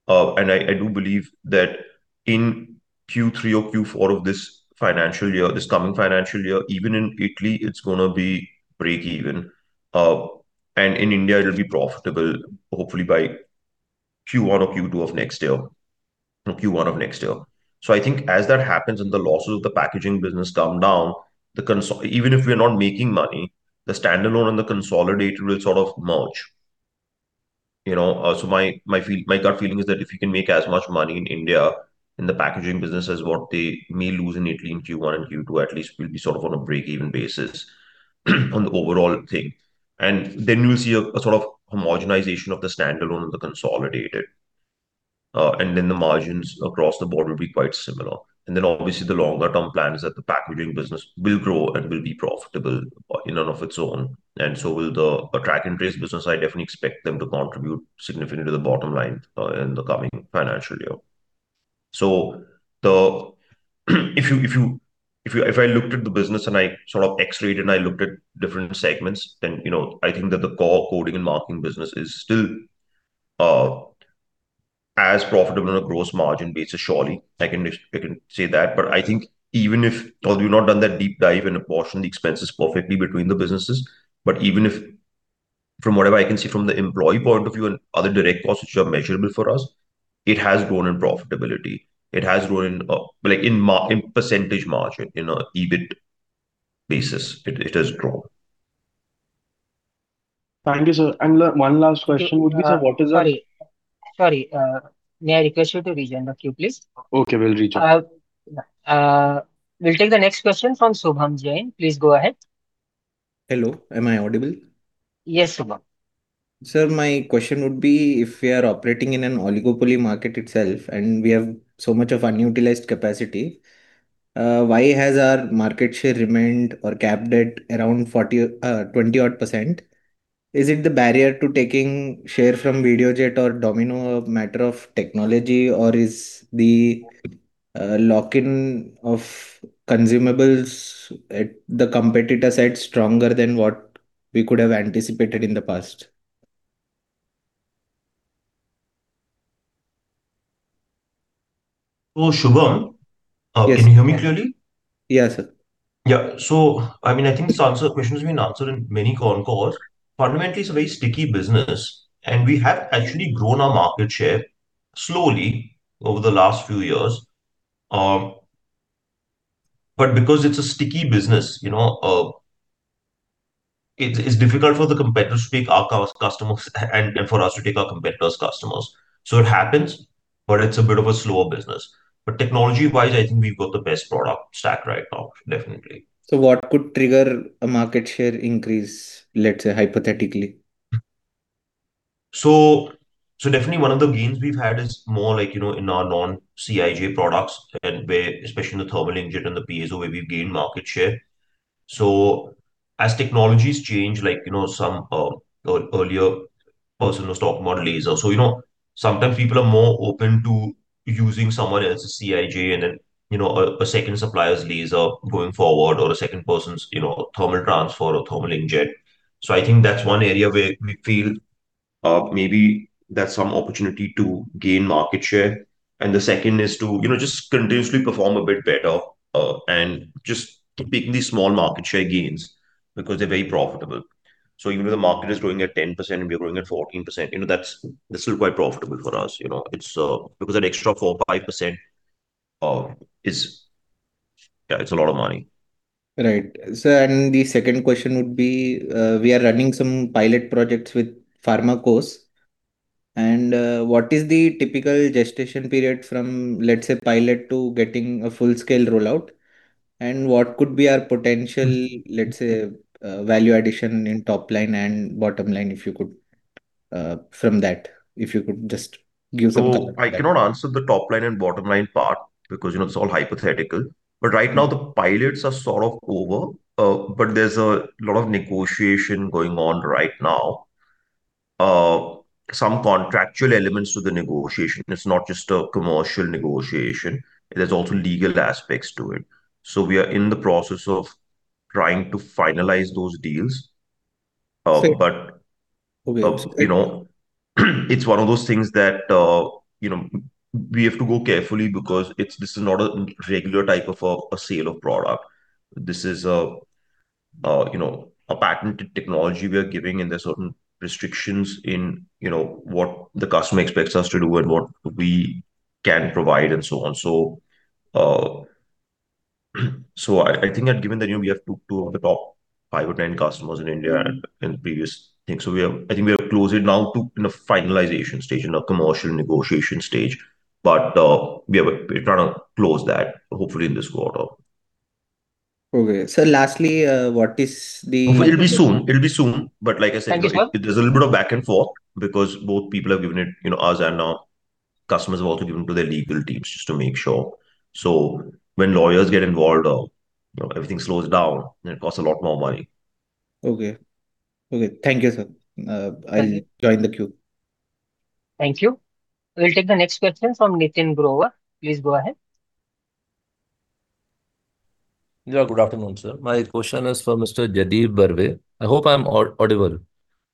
and I do believe that in Q3 or Q4 of this financial year, this coming financial year, even in Italy, it's gonna be breakeven. And in India, it'll be profitable, hopefully by Q1 or Q2 of next year, or Q1 of next year. So I think as that happens and the losses of the packaging business come down, the consolidated, even if we are not making money, the standalone and the consolidated will sort of merge, you know? So my feel, my gut feeling is that if we can make as much money in India in the packaging business as what they may lose in Italy in Q1 and Q2, at least we'll be sort of on a breakeven basis, on the overall thing. and then you will see a sort of homogenization of the standalone and the consolidated, and then the margins across the board will be quite similar. And then, obviously, the longer term plan is that the packaging business will grow and will be profitable, in and of its own, and so will the track and trace business. I definitely expect them to contribute significantly to the bottom line, in the coming financial year. So if I looked at the business and I sort of X-rayed it, and I looked at different segments, then, you know, I think that the core coding and marking business is still, as profitable on a gross margin basis, surely. I can say that. But I think even if although we've not done that deep dive and apportion the expenses perfectly between the businesses, but even if, from whatever I can see from the employee point of view and other direct costs which are measurable for us, it has grown in profitability. It has grown in, like in margin in percentage margin, in an EBIT basis, it, it has grown. Thank you, sir. And one last question would be, sir, what is the- Sorry. Sorry, may I request you to rejoin the queue, please? Okay, we'll rejoin. We'll take the next question from Shubham Jain. Please go ahead. Hello, am I audible? Yes, Shubham. Sir, my question would be, if we are operating in an oligopoly market itself, and we have so much of unutilized capacity, why has our market share remained or capped at around 40, 20-odd%? Is it the barrier to taking share from Videojet or Domino a matter of technology, or is the, lock-in of consumables at the competitor side stronger than what we could have anticipated in the past? So, Shubham, Yes. Can you hear me clearly? Yes, sir. Yeah. So, I mean, I think the answer, the question has been answered in many con calls. Fundamentally, it's a very sticky business, and we have actually grown our market share slowly over the last few years. But because it's a sticky business, you know, it's difficult for the competitor to take our customers and for us to take our competitors' customers. So it happens, but it's a bit of a slower business. But technology-wise, I think we've got the best product stack right now, definitely. What could trigger a market share increase, let's say, hypothetically? So, so definitely one of the gains we've had is more like, you know, in our non-CIJ products, and where, especially in the thermal inkjet and the piezo, where we've gained market share. So as technologies change, like, you know, some earlier person was talking about laser. So, you know, sometimes people are more open to using someone else's CIJ and then, you know, a second supplier's laser going forward or a second person's, you know, thermal transfer or thermal inkjet. So I think that's one area where we feel maybe there's some opportunity to gain market share. And the second is to, you know, just continuously perform a bit better and just keeping these small market share gains because they're very profitable. So even though the market is growing at 10%, and we're growing at 14%, you know, that's, that's still quite profitable for us, you know. It's, because that extra 4%-5%, is... Yeah, it's a lot of money. Right. So, and the second question would be, we are running some pilot projects with pharma cos, and, what is the typical gestation period from, let's say, pilot to getting a full-scale rollout? And what could be our potential, let's say, value addition in top line and bottom line, if you could, from that, if you could just give some- So I cannot answer the top line and bottom line part because, you know, it's all hypothetical. But right now, the pilots are sort of over, but there's a lot of negotiation going on right now. Some contractual elements to the negotiation. It's not just a commercial negotiation. There's also legal aspects to it. So we are in the process of trying to finalize those deals. Okay. Uh, but- Okay. You know, it's one of those things that, you know, we have to go carefully because it's—this is not a regular type of a sale of product. This is, you know, a patented technology we are giving, and there are certain restrictions in, you know, what the customer expects us to do and what we can provide and so on. So, so I think that given that, you know, we have two of the top five or ten customers in India and in the previous thing, so we have—I think we are closing now to in a finalization stage, in a commercial negotiation stage. But, we are, we're trying to close that hopefully in this quarter. Okay. Sir, lastly, what is the- It'll be soon. It'll be soon. But like I said- Thank you, sir. There's a little bit of back and forth because both people have given it, you know, us and our customers have also given to their legal teams just to make sure. So when lawyers get involved, you know, everything slows down, and it costs a lot more money. Okay. Okay. Thank you, sir. I'll join the queue. Thank you. We'll take the next question from Nitin Grover. Please go ahead. Yeah, good afternoon, sir. My question is for Mr. Jaideep Barve. I hope I'm audible.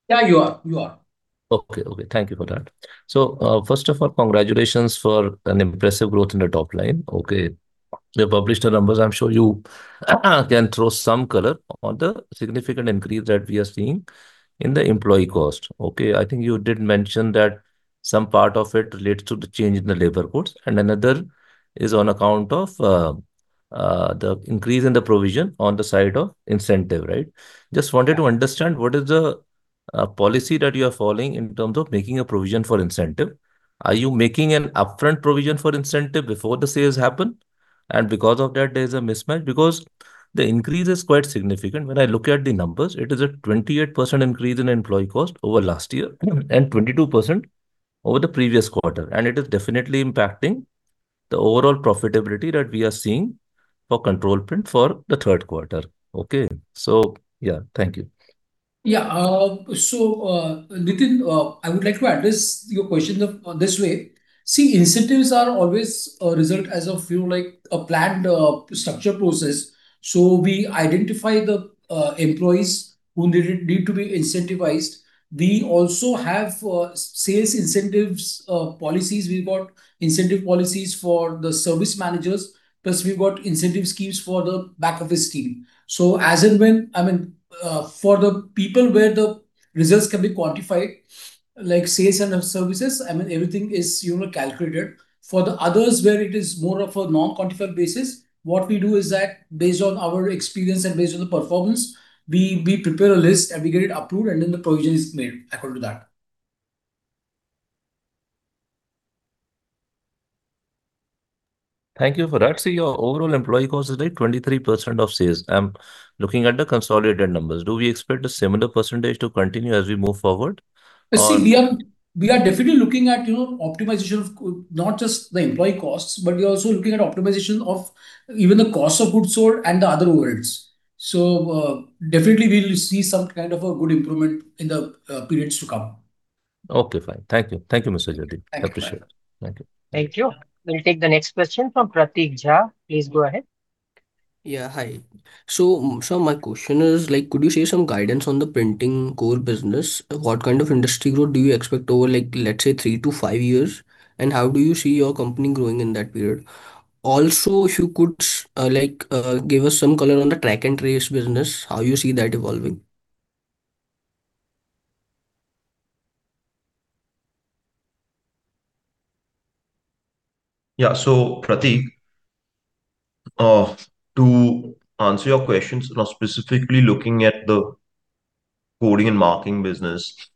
Yeah, you are. You are. Okay. Okay, thank you for that. So, first of all, congratulations for an impressive growth in the top line. Okay. You published the numbers, I'm sure you can throw some color on the significant increase that we are seeing in the employee cost. Okay, I think you did mention that some part of it relates to the change in the labor codes, and another is on account of the increase in the provision on the side of incentive, right? Just wanted to understand, what is the policy that you are following in terms of making a provision for incentive? Are you making an upfront provision for incentive before the sales happen? And because of that, there's a mismatch. Because the increase is quite significant. When I look at the numbers, it is a 28% increase in employee cost over last year, and 22% over the previous quarter. And it is definitely impacting the overall profitability that we are seeing for Control Print for the third quarter. Okay. So, yeah. Thank you. Yeah. So, Nitin, I would like to address your question this way. See, incentives are always a result, as of, you know, like a planned structure process. So we identify the employees who need to be incentivized. We also have sales incentives policies. We've got incentive policies for the service managers, plus we've got incentive schemes for the back office team. So as and when, I mean, for the people where the results can be quantified, like sales and services, I mean, everything is, you know, calculated. For the others, where it is more of a non-quantified basis, what we do is that based on our experience and based on the performance, we prepare a list, and we get it approved, and then the provision is made according to that. Thank you for that. See, your overall employee cost is, like, 23% of sales. I'm looking at the consolidated numbers. Do we expect a similar percentage to continue as we move forward? Or- See, we are, we are definitely looking at, you know, optimization of not just the employee costs, but we are also looking at optimization of even the cost of goods sold and the other overheads. So, definitely we'll see some kind of a good improvement in the periods to come. Okay, fine. Thank you. Thank you, Mr. Nitin. Thank you. I appreciate it. Thank you. Thank you. We'll take the next question from Prateek Jha. Please go ahead. Yeah. Hi. So, sir, my question is, like, could you share some guidance on the printing core business? What kind of industry growth do you expect over, like, let's say, three to five years, and how do you see your company growing in that period? Also, if you could, like, give us some color on the Track and Trace business, how you see that evolving? Yeah. So Prateek, to answer your questions, now specifically looking at the coding and marking business,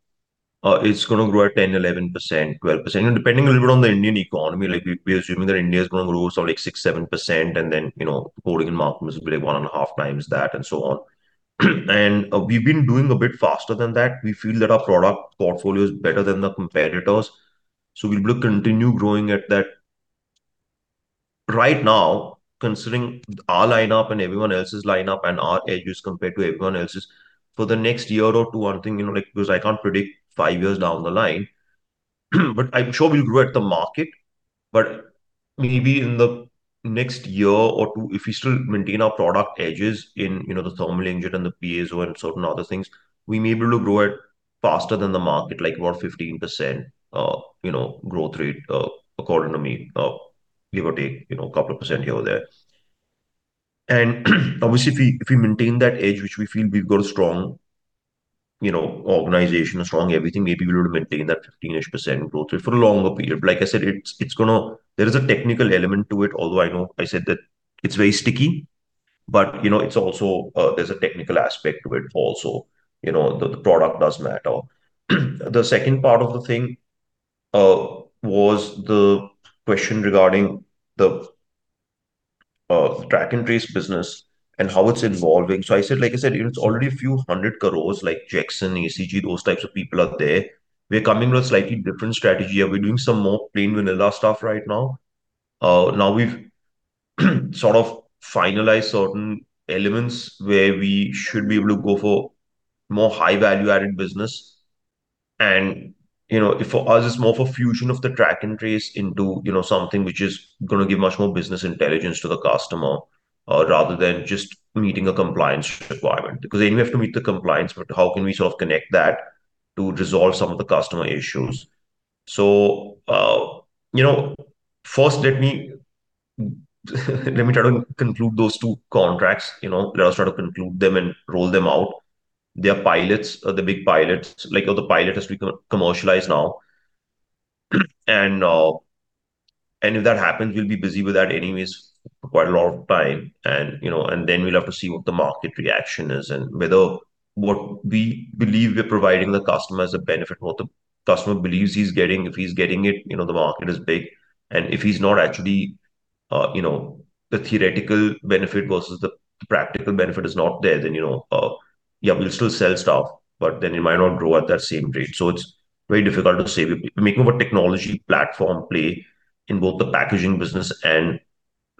it's going to grow at 10, 11%, 12%, and depending a little bit on the Indian economy, like, we, we're assuming that India is going to grow somewhere like 6%-7%, and then, you know, coding and marking must be, like, one and a half times that, and so on. And, we've been doing a bit faster than that. We feel that our product portfolio is better than the competitors, so we will continue growing at that. Right now, considering our lineup and everyone else's lineup, and our edges compared to everyone else's, for the next year or two, I think, you know, like... because I can't predict 5 years down the line, but I'm sure we'll grow at the market. But maybe in the next year or two, if we still maintain our product edges in, you know, the thermal inkjet and the Piezo and certain other things, we may be able to grow at faster than the market, like about 15%, you know, growth rate, according to me, give or take, you know, a couple of % here or there. And obviously, if we, if we maintain that edge, which we feel we've got a strong, you know, organization, a strong everything, maybe we'll be able to maintain that 15-ish% growth rate for a longer period. But like I said, it's, it's gonna there is a technical element to it, although I know I said that it's very sticky, but, you know, it's also, there's a technical aspect to it also. You know, the product does matter. The second part of the thing, was the question regarding the, track and trace business and how it's evolving. So I said, like I said, you know, it's already INR a few hundred crores, like Jekson, ACG, those types of people are there. We're coming with a slightly different strategy, and we're doing some more plain vanilla stuff right now. Now we've sort of finalized certain elements where we should be able to go for more high value-added business. And, you know, if for us, it's more of a fusion of the track and trace into, you know, something which is gonna give much more business intelligence to the customer, rather than just meeting a compliance requirement. Because anyway, we have to meet the compliance, but how can we sort of connect that to resolve some of the customer issues? So, you know, first, let me, let me try to conclude those two contracts, you know. Let us try to conclude them and roll them out. They are pilots, the big pilots, like, the pilot has to be co-commercialized now. And, and if that happens, we'll be busy with that anyways for quite a lot of time, and, you know, and then we'll have to see what the market reaction is and whether what we believe we're providing the customer as a benefit and what the customer believes he's getting. If he's getting it, you know, the market is big, and if he's not actually, you know, the theoretical benefit versus the practical benefit is not there, then, you know, yeah, we'll still sell stuff, but then it might not grow at that same rate. So it's very difficult to say. We're making our technology platform play in both the packaging business and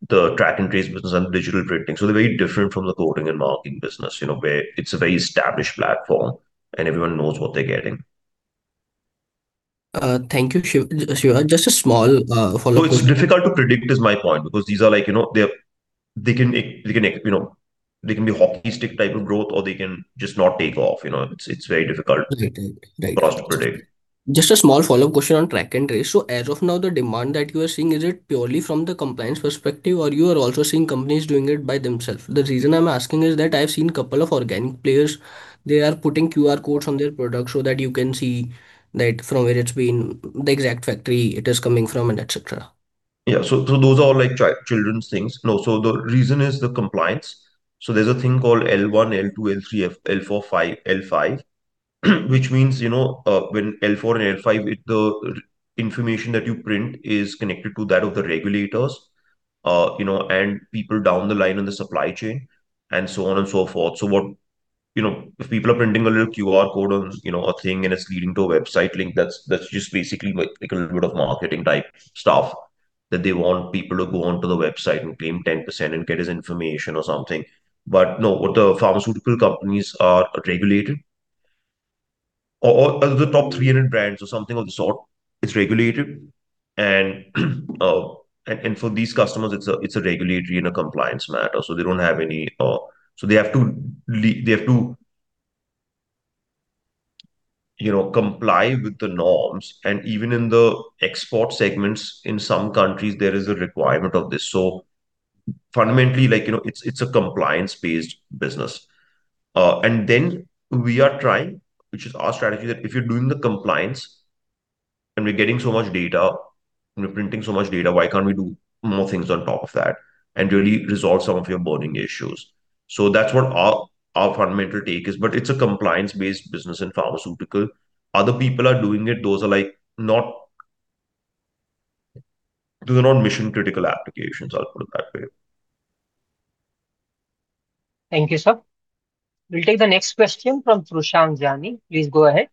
the track and trace business and digital printing. So they're very different from the coding and marking business, you know, where it's a very established platform and everyone knows what they're getting. Thank you, Shiv- Shiva. Just a small follow-up question. So it's difficult to predict, is my point, because these are like, you know, they can, they can, you know, they can be a hockey stick type of growth, or they can just not take off, you know. It's very difficult- Right. Right. for us to predict. Just a small follow-up question on track and trace. So as of now, the demand that you are seeing, is it purely from the compliance perspective, or you are also seeing companies doing it by themselves? The reason I'm asking is that I've seen a couple of organic players. They are putting QR codes on their products so that you can see that from where it's been, the exact factory it is coming from, and et cetera. Yeah. So those are all, like, children's things. No, so the reason is the compliance. So there's a thing called L1, L2, L3, L4, L5, which means, you know, when L4 and L5, it, the information that you print is connected to that of the regulators, you know, and people down the line in the supply chain, and so on and so forth. So what, you know, if people are printing a little QR code on, you know, a thing, and it's leading to a website link, that's just basically like a little bit of marketing-type stuff, that they want people to go onto the website and claim 10% and get his information or something. But no, what the pharmaceutical companies are regulated, or the top 300 brands or something of the sort, it's regulated. For these customers, it's a regulatory and a compliance matter, so they don't have any. So they have to, you know, comply with the norms. And even in the export segments, in some countries, there is a requirement of this. So fundamentally, like, you know, it's a compliance-based business. And then we are trying, which is our strategy, that if you're doing the compliance, and we're getting so much data, and we're printing so much data, why can't we do more things on top of that and really resolve some of your burning issues? So that's what our fundamental take is, but it's a compliance-based business in pharmaceutical. Other people are doing it. Those are, like, not they're not mission-critical applications, I'll put it that way. Thank you, sir. We'll take the next question from Trushank Jani. Please go ahead.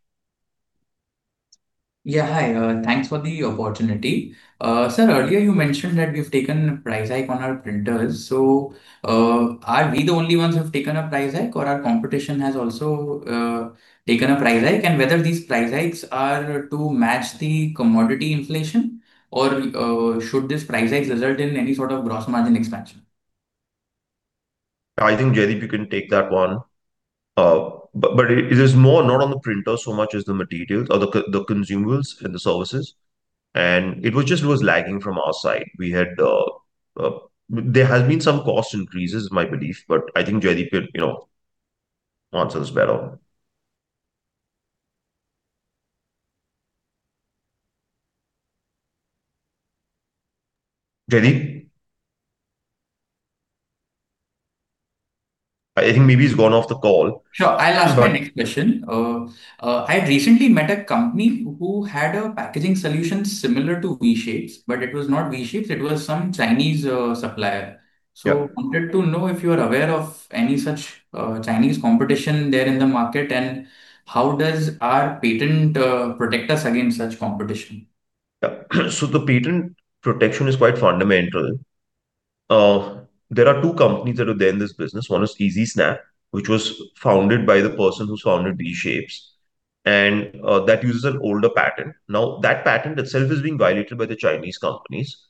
Yeah, hi. Thanks for the opportunity. Sir, earlier you mentioned that you've taken a price hike on our printers. So, are we the only ones who have taken a price hike, or our competition has also taken a price hike? And whether these price hikes are to match the commodity inflation or should this price hike result in any sort of gross margin expansion? I think, Jaideep, you can take that one. But it is more not on the printer so much as the materials or the consumables and the services, and it was just lagging from our side. We had... There has been some cost increases, my belief, but I think Jaideep could, you know, answer this better. Jaideep? I think maybe he's gone off the call. Sure. I'll ask my next question. Sorry. I recently met a company who had a packaging solution similar to V-Shapes, but it was not V-Shapes, it was some Chinese supplier. Yeah. I wanted to know if you are aware of any such Chinese competition there in the market, and how does our patent protect us against such competition? Yeah. So the patent protection is quite fundamental. There are two companies that are there in this business. One is Easysnap, which was founded by the person who founded V-Shapes, and that uses an older patent. Now, that patent itself is being violated by the Chinese companies.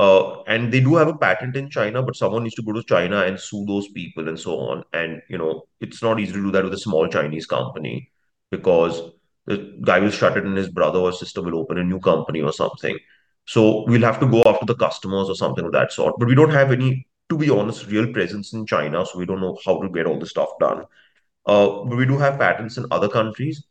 And they do have a patent in China, but someone needs to go to China and sue those people and so on. And, you know, it's not easy to do that with a small Chinese company, because the guy will shut it, and his brother or sister will open a new company or something. So we'll have to go after the customers or something of that sort. But we don't have any, to be honest, real presence in China, so we don't know how to get all this stuff done. But we do have patents in other countries,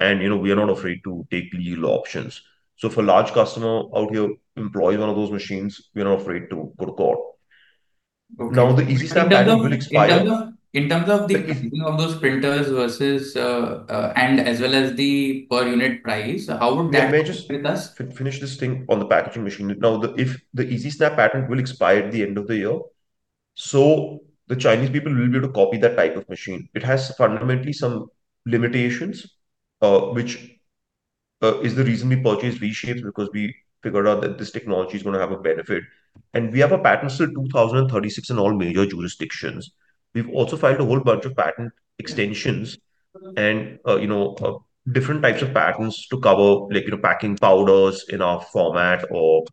and, you know, we are not afraid to take legal options. So if a large customer out here employs one of those machines, we are not afraid to go to court. Now, the Easysnap patent will expire- In terms of those printers versus, and as well as the per unit price, how would that match with us? Let me just finish this thing on the packaging machine. Now, if the Easysnap patent will expire at the end of the year, so the Chinese people will be able to copy that type of machine. It has fundamentally some limitations, which is the reason we purchased V-Shapes, because we figured out that this technology is gonna have a benefit. And we have a patent till 2036 in all major jurisdictions. We've also filed a whole bunch of patent extensions and, you know, different types of patents to cover, like, you know, packing powders in our format or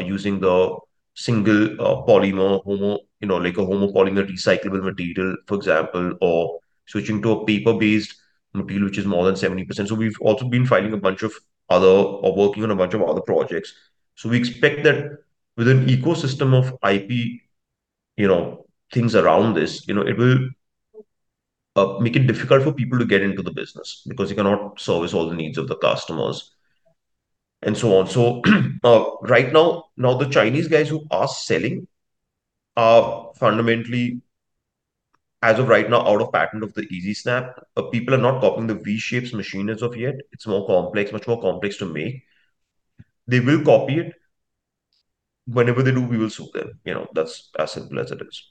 using the single, homopolymer, you know, like a homo polymer recyclable material, for example, or switching to a paper-based material, which is more than 70%. So we've also been filing a bunch of other, or working on a bunch of other projects. So we expect that with an ecosystem of IP, you know, things around this, you know, it will make it difficult for people to get into the business because you cannot service all the needs of the customers, and so on. So, right now, now the Chinese guys who are selling are fundamentally, as of right now, out of patent of the Easysnap. People are not copying the V-Shapes machine as of yet. It's more complex, much more complex to make. They will copy it. Whenever they do, we will sue them, you know, that's as simple as it is.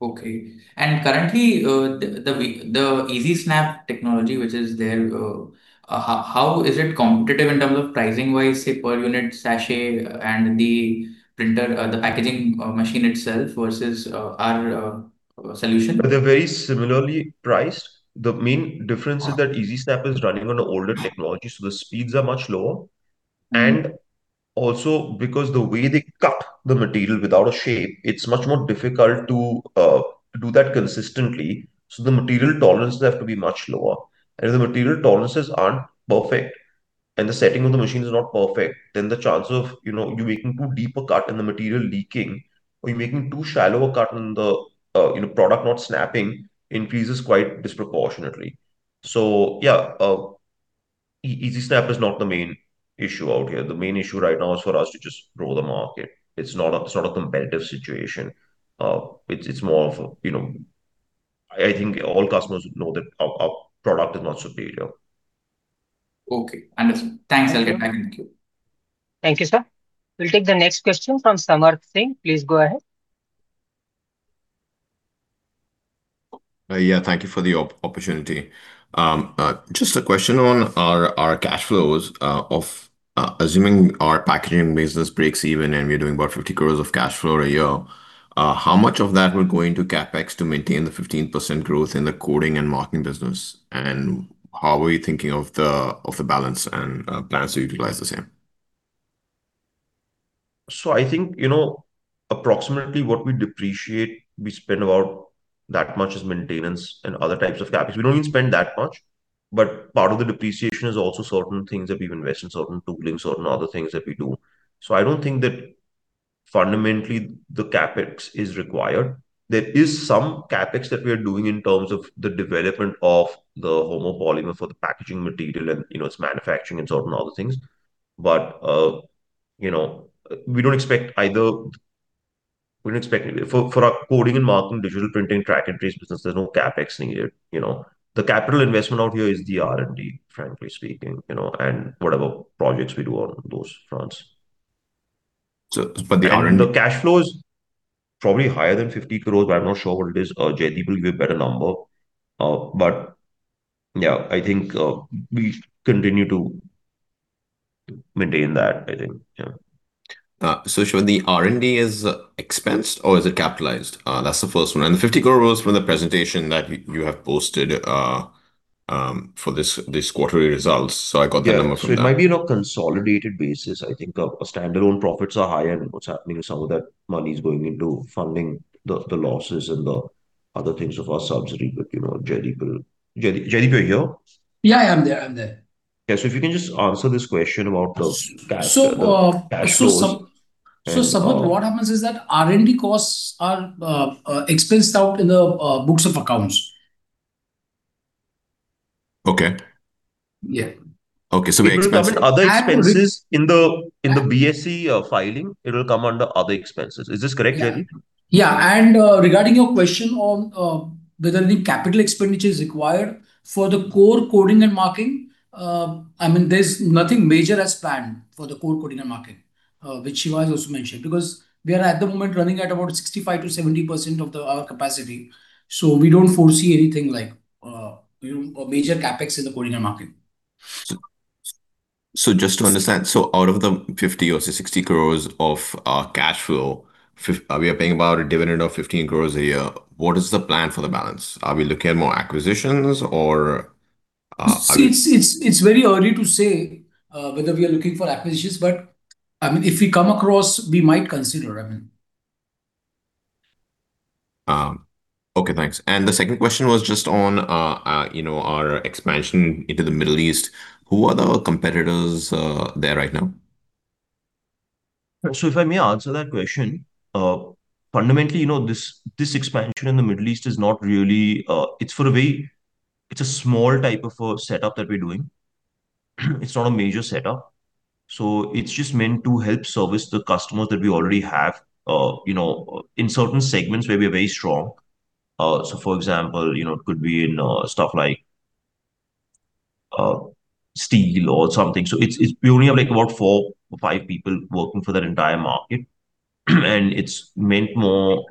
Okay. And currently, the V-Shapes, the Easysnap technology, which is there, how is it competitive in terms of pricing-wise, say, per unit sachet and the printer, the packaging machine itself versus our solution? They're very similarly priced. The main difference is that Easysnap is running on an older technology, so the speeds are much lower. And also because the way they cut the material without a shape, it's much more difficult to do that consistently, so the material tolerances have to be much lower. And if the material tolerances aren't perfect and the setting of the machine is not perfect, then the chance of, you know, you making too deep a cut and the material leaking, or you're making too shallow a cut and the, you know, product not snapping, increases quite disproportionately. So yeah, Easysnap is not the main issue out here. The main issue right now is for us to just grow the market. It's not a sort of competitive situation, it's, it's more of, you know, I, I think all customers know that our, our product is not superior. Okay. Understood. Thanks again. Thank you. Thank you, sir. We'll take the next question from Samarth Singh. Please go ahead. Yeah, thank you for the opportunity. Just a question on our cash flows, assuming our packaging business breaks even, and we are doing about 50 crore of cash flow a year, how much of that will go into CapEx to maintain the 15% growth in the coding and marking business? How are you thinking of the balance and plans to utilize the same? So I think, you know, approximately what we depreciate, we spend about that much as maintenance and other types of CapEx. We don't even spend that much, but part of the depreciation is also certain things that we've invested, certain tooling, certain other things that we do. So I don't think that fundamentally the CapEx is required. There is some CapEx that we are doing in terms of the development of the homopolymer for the packaging material and, you know, its manufacturing and certain other things. But, you know, we don't expect either. We don't expect for our coding and marking, digital printing, track and trace business, there's no CapEx needed, you know. The capital investment out here is the R&D, frankly speaking, you know, and whatever projects we do on those fronts. So, but the R&D- The cash flow is probably higher than 50 crore, but I'm not sure what it is. Jaideep will give a better number. But yeah, I think we continue to maintain that, I think. Yeah. So Shiva, the R&D is expensed or is it capitalized? That's the first one. And the 50 crore was from the presentation that you have posted for this quarterly results, so I got that number from there. Yeah. So it might be in a consolidated basis. I think our, our standalone profits are high, and what's happening is some of that money is going into funding the, the losses and the other things of our subsidiary. But, you know, Jaideep will... Jaideep, Jaideep, are you here? Yeah, I am there. I'm there. Yeah. So if you can just answer this question about the cash- So, uh- -cash flows. So, Samarth, what happens is that R&D costs are expensed out in the books of accounts. Okay. Yeah. Okay, so we expense it. But other expenses in the BSE filing will come under other expenses. Is this correct, Jaideep? Yeah, and, regarding your question on whether any capital expenditure is required for the core coding and marking, I mean, there's nothing major as planned for the core coding and marking, which Shiva has also mentioned, because we are at the moment running at about 65%-70% of our capacity, so we don't foresee anything like, you know, a major CapEx in the coding and marking. So, just to understand, out of the 50 crore or 60 crore of cash flow, we are paying about a dividend of 15 crore a year. What is the plan for the balance? Are we looking at more acquisitions or are we- It's very early to say whether we are looking for acquisitions, but, I mean, if we come across, we might consider, I mean. Okay, thanks. And the second question was just on, you know, our expansion into the Middle East. Who are the competitors there right now? So if I may answer that question, fundamentally, you know, this, this expansion in the Middle East is not really. It's a small type of a setup that we're doing. It's not a major setup. So it's just meant to help service the customers that we already have, you know, in certain segments where we're very strong. So for example, you know, it could be in stuff like steel or something. So it's we only have, like, about four or five people working for that entire market, and it's meant more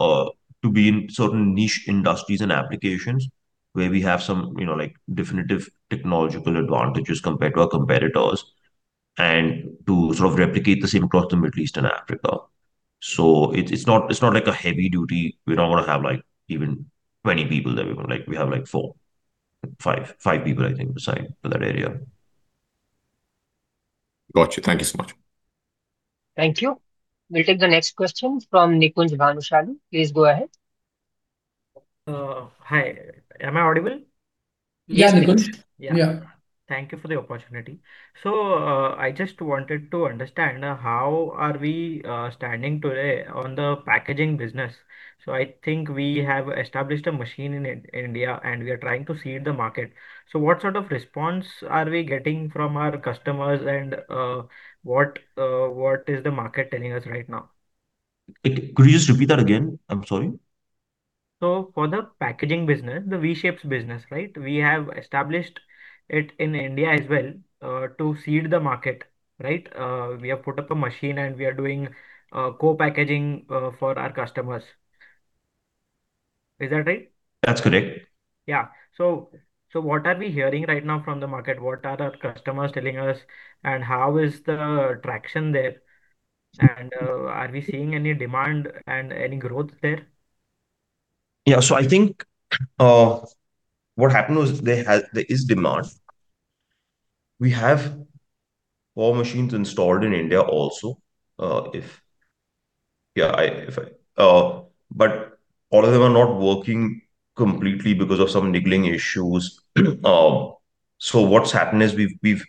to be in certain niche industries and applications where we have some, you know, like, definitive technological advantages compared to our competitors, and to sort of replicate the same across the Middle East and Africa. So it's not like a heavy duty. We're not gonna have, like, even 20 people there, we will, like, we have, like, 4, 5, 5 people, I think, assigned to that area. Got you. Thank you so much. Thank you. We'll take the next question from Nikunj Bhanushali. Please go ahead. Hi. Am I audible? Yeah, Nikunj. Yeah. Thank you for the opportunity. So, I just wanted to understand, how are we standing today on the packaging business? So I think we have established a machine in India, and we are trying to seed the market. So what sort of response are we getting from our customers, and what is the market telling us right now? Could you just repeat that again? I'm sorry. So for the packaging business, the V-Shapes business, right? We have established it in India as well, to seed the market, right? We have put up a machine, and we are doing co-packing for our customers. Is that right? That's correct. Yeah. So, so what are we hearing right now from the market? What are our customers telling us, and how is the traction there? And, are we seeing any demand and any growth there? Yeah, so I think what happened was there is demand. We have 4 machines installed in India also, if. Yeah, if. But all of them are not working completely because of some niggling issues. So what's happened is we've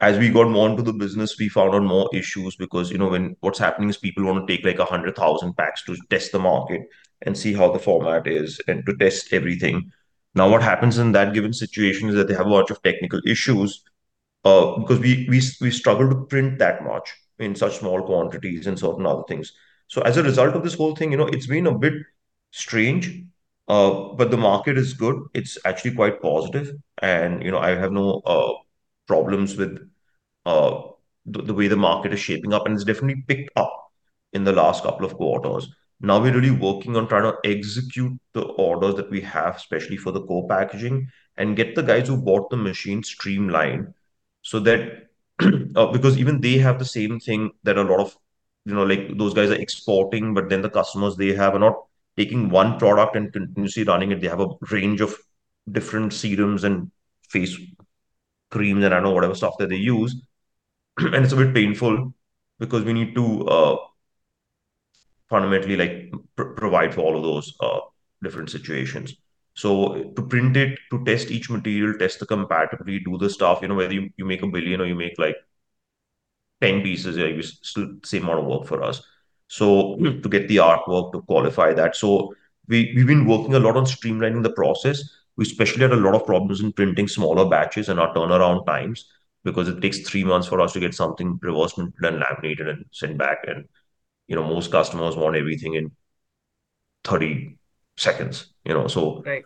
as we got more into the business, we found out more issues because, you know, what's happening is people want to take, like, 100,000 packs to test the market and see how the format is, and to test everything. Now, what happens in that given situation is that they have a lot of technical issues because we struggle to print that much in such small quantities and certain other things. So as a result of this whole thing, you know, it's been a bit strange, but the market is good. It's actually quite positive. You know, I have no problems with the way the market is shaping up, and it's definitely picked up in the last couple of quarters. Now we're really working on trying to execute the orders that we have, especially for the co-packing, and get the guys who bought the machine streamlined so that, because even they have the same thing that a lot of, you know, like, those guys are exporting, but then the customers they have are not taking one product and continuously running it. They have a range of different serums and face creams, and I don't know, whatever stuff that they use. And it's a bit painful because we need to, fundamentally, like, provide for all of those different situations. So to print it, to test each material, test the compatibility, do the stuff, you know, whether you, you make a billion or you make, like, 10 pieces, yeah, it's still the same amount of work for us. So, to get the artwork to qualify that. So we, we've been working a lot on streamlining the process. We especially had a lot of problems in printing smaller batches and our turnaround times, because it takes 3 months for us to get something reversed and then laminated and sent back. And, you know, most customers want everything in 30 seconds, you know? So- Right.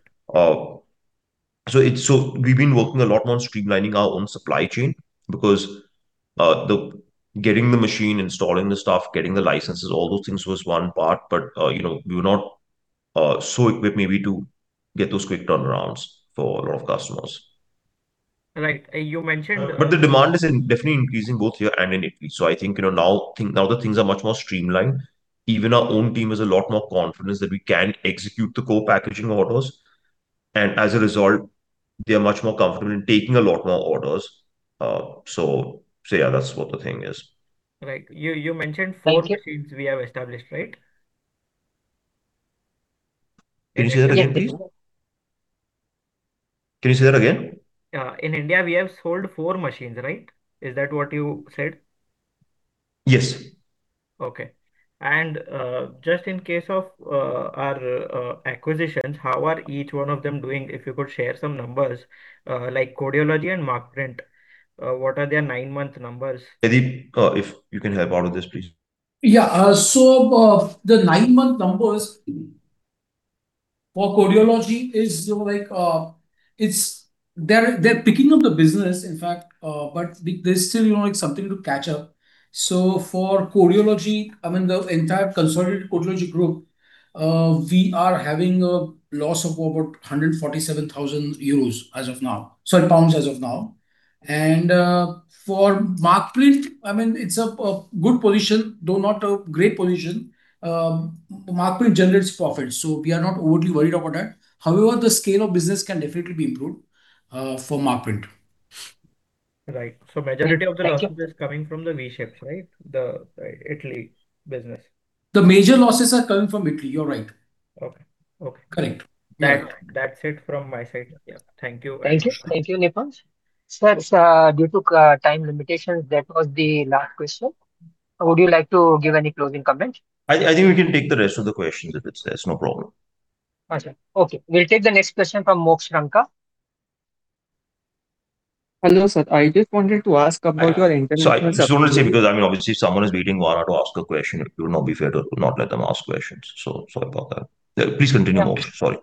So we've been working a lot on streamlining our own supply chain because getting the machine, installing the stuff, getting the licenses, all those things was one part, but you know, we were not so equipped maybe to get those quick turnarounds for a lot of customers. Right. And you mentioned- But the demand is indefinitely increasing both here and in Italy. So I think, you know, now that things are much more streamlined, even our own team has a lot more confidence that we can execute the co-packing orders, and as a result, they are much more comfortable in taking a lot more orders. So yeah, that's what the thing is. Right. You mentioned- Thank you. Four machines we have established, right? Can you say that again, please? Can you say that again? In India, we have sold four machines, right? Is that what you said? Yes. Okay. And, just in case of our acquisitions, how are each one of them doing? If you could share some numbers, like Codeology and Markprint. What are their nine-month numbers? Deep, if you can help out with this, please. Yeah, so, the nine-month numbers for Codeology is, like, it's... They're, they're picking up the business, in fact, but there's still, you know, like, something to catch up. So for Codeology, I mean, the entire consolidated Codeology group, we are having a loss of about GBP 147,000 as of now-- sorry, pounds as of now. And, for Markprint, I mean, it's a good position, though not a great position. Markprint generates profits, so we are not overly worried about that. However, the scale of business can definitely be improved, for Markprint. Right. So majority of the losses- Thank you. is coming from the V-Shapes, right? The right Italy business. The major losses are coming from Italy. You're right. Okay. Okay. Correct. That, that's it from my side. Yeah. Thank you. Thank you. Thank you, Nikunj. Sir, due to time limitations, that was the last question. Would you like to give any closing comments? I think we can take the rest of the questions if it's there. It's no problem. Okay. We'll take the next question from Moksh Ranka. Hello, sir. I just wanted to ask about your international- Sorry. So we'll see, because, I mean, obviously, someone is waiting, wants to ask a question. It would not be fair to not let them ask questions, so sorry about that. Please continue, Moksh. Sorry.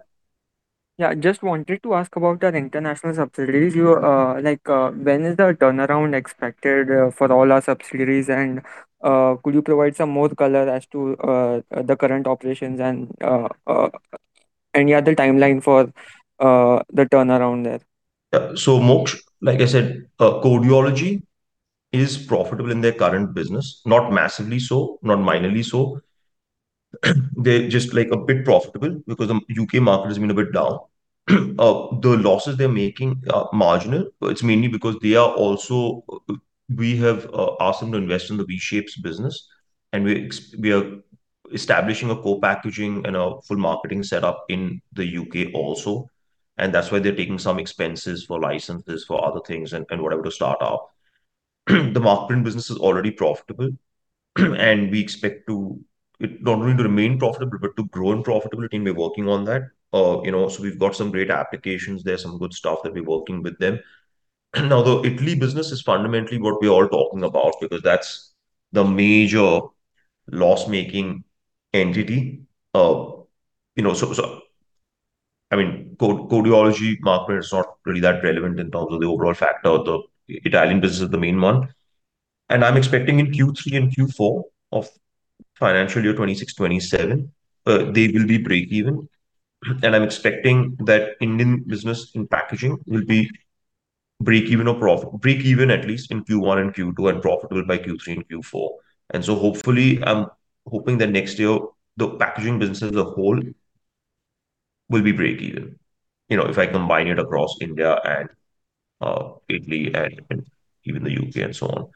Yeah, I just wanted to ask about our international subsidiaries. Like, when is the turnaround expected for all our subsidiaries? And, could you provide some more color as to the current operations and any other timeline for the turnaround there? Yeah. So Moksh, like I said, Codeology is profitable in their current business. Not massively so, not mainly so. They're just, like, a bit profitable because the UK market has been a bit down. The losses they're making are marginal. It's mainly because they are also... We have asked them to invest in the V-Shapes business, and we are establishing a co-packing and a full marketing setup in the UK also, and that's why they're taking some expenses for licenses, for other things, and whatever to start off. The Markprint business is already profitable, and we expect it not only to remain profitable, but to grow in profitability, and we're working on that. You know, so we've got some great applications there, some good stuff that we're working with them. Now, the Italy business is fundamentally what we're all talking about because that's the major loss-making entity. You know, so, so I mean, Codeology, Markprint is not really that relevant in terms of the overall factor. The Italian business is the main one, and I'm expecting in Q3 and Q4 of financial year 2026, 2027, they will be breakeven. And I'm expecting that Indian business in packaging will be breakeven or profit. Breakeven, at least in Q1 and Q2, and profitable by Q3 and Q4. And so hopefully, I'm hoping that next year the packaging business as a whole will be breakeven, you know, if I combine it across India and, Italy and, and even the UK and so on....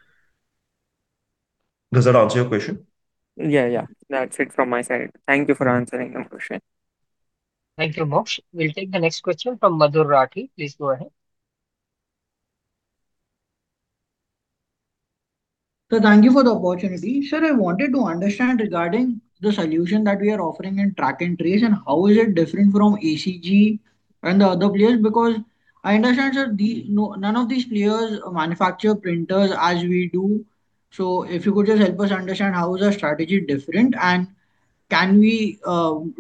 Does that answer your question? Yeah, yeah, that's it from my side. Thank you for answering my question. Thank you, Moksh. We'll take the next question from Madhur Rathi. Please go ahead. So thank you for the opportunity. Sir, I wanted to understand regarding the solution that we are offering in track and trace, and how is it different from ACG and the other players? Because I understand, sir, none of these players manufacture printers as we do. So if you could just help us understand how is our strategy different, and can we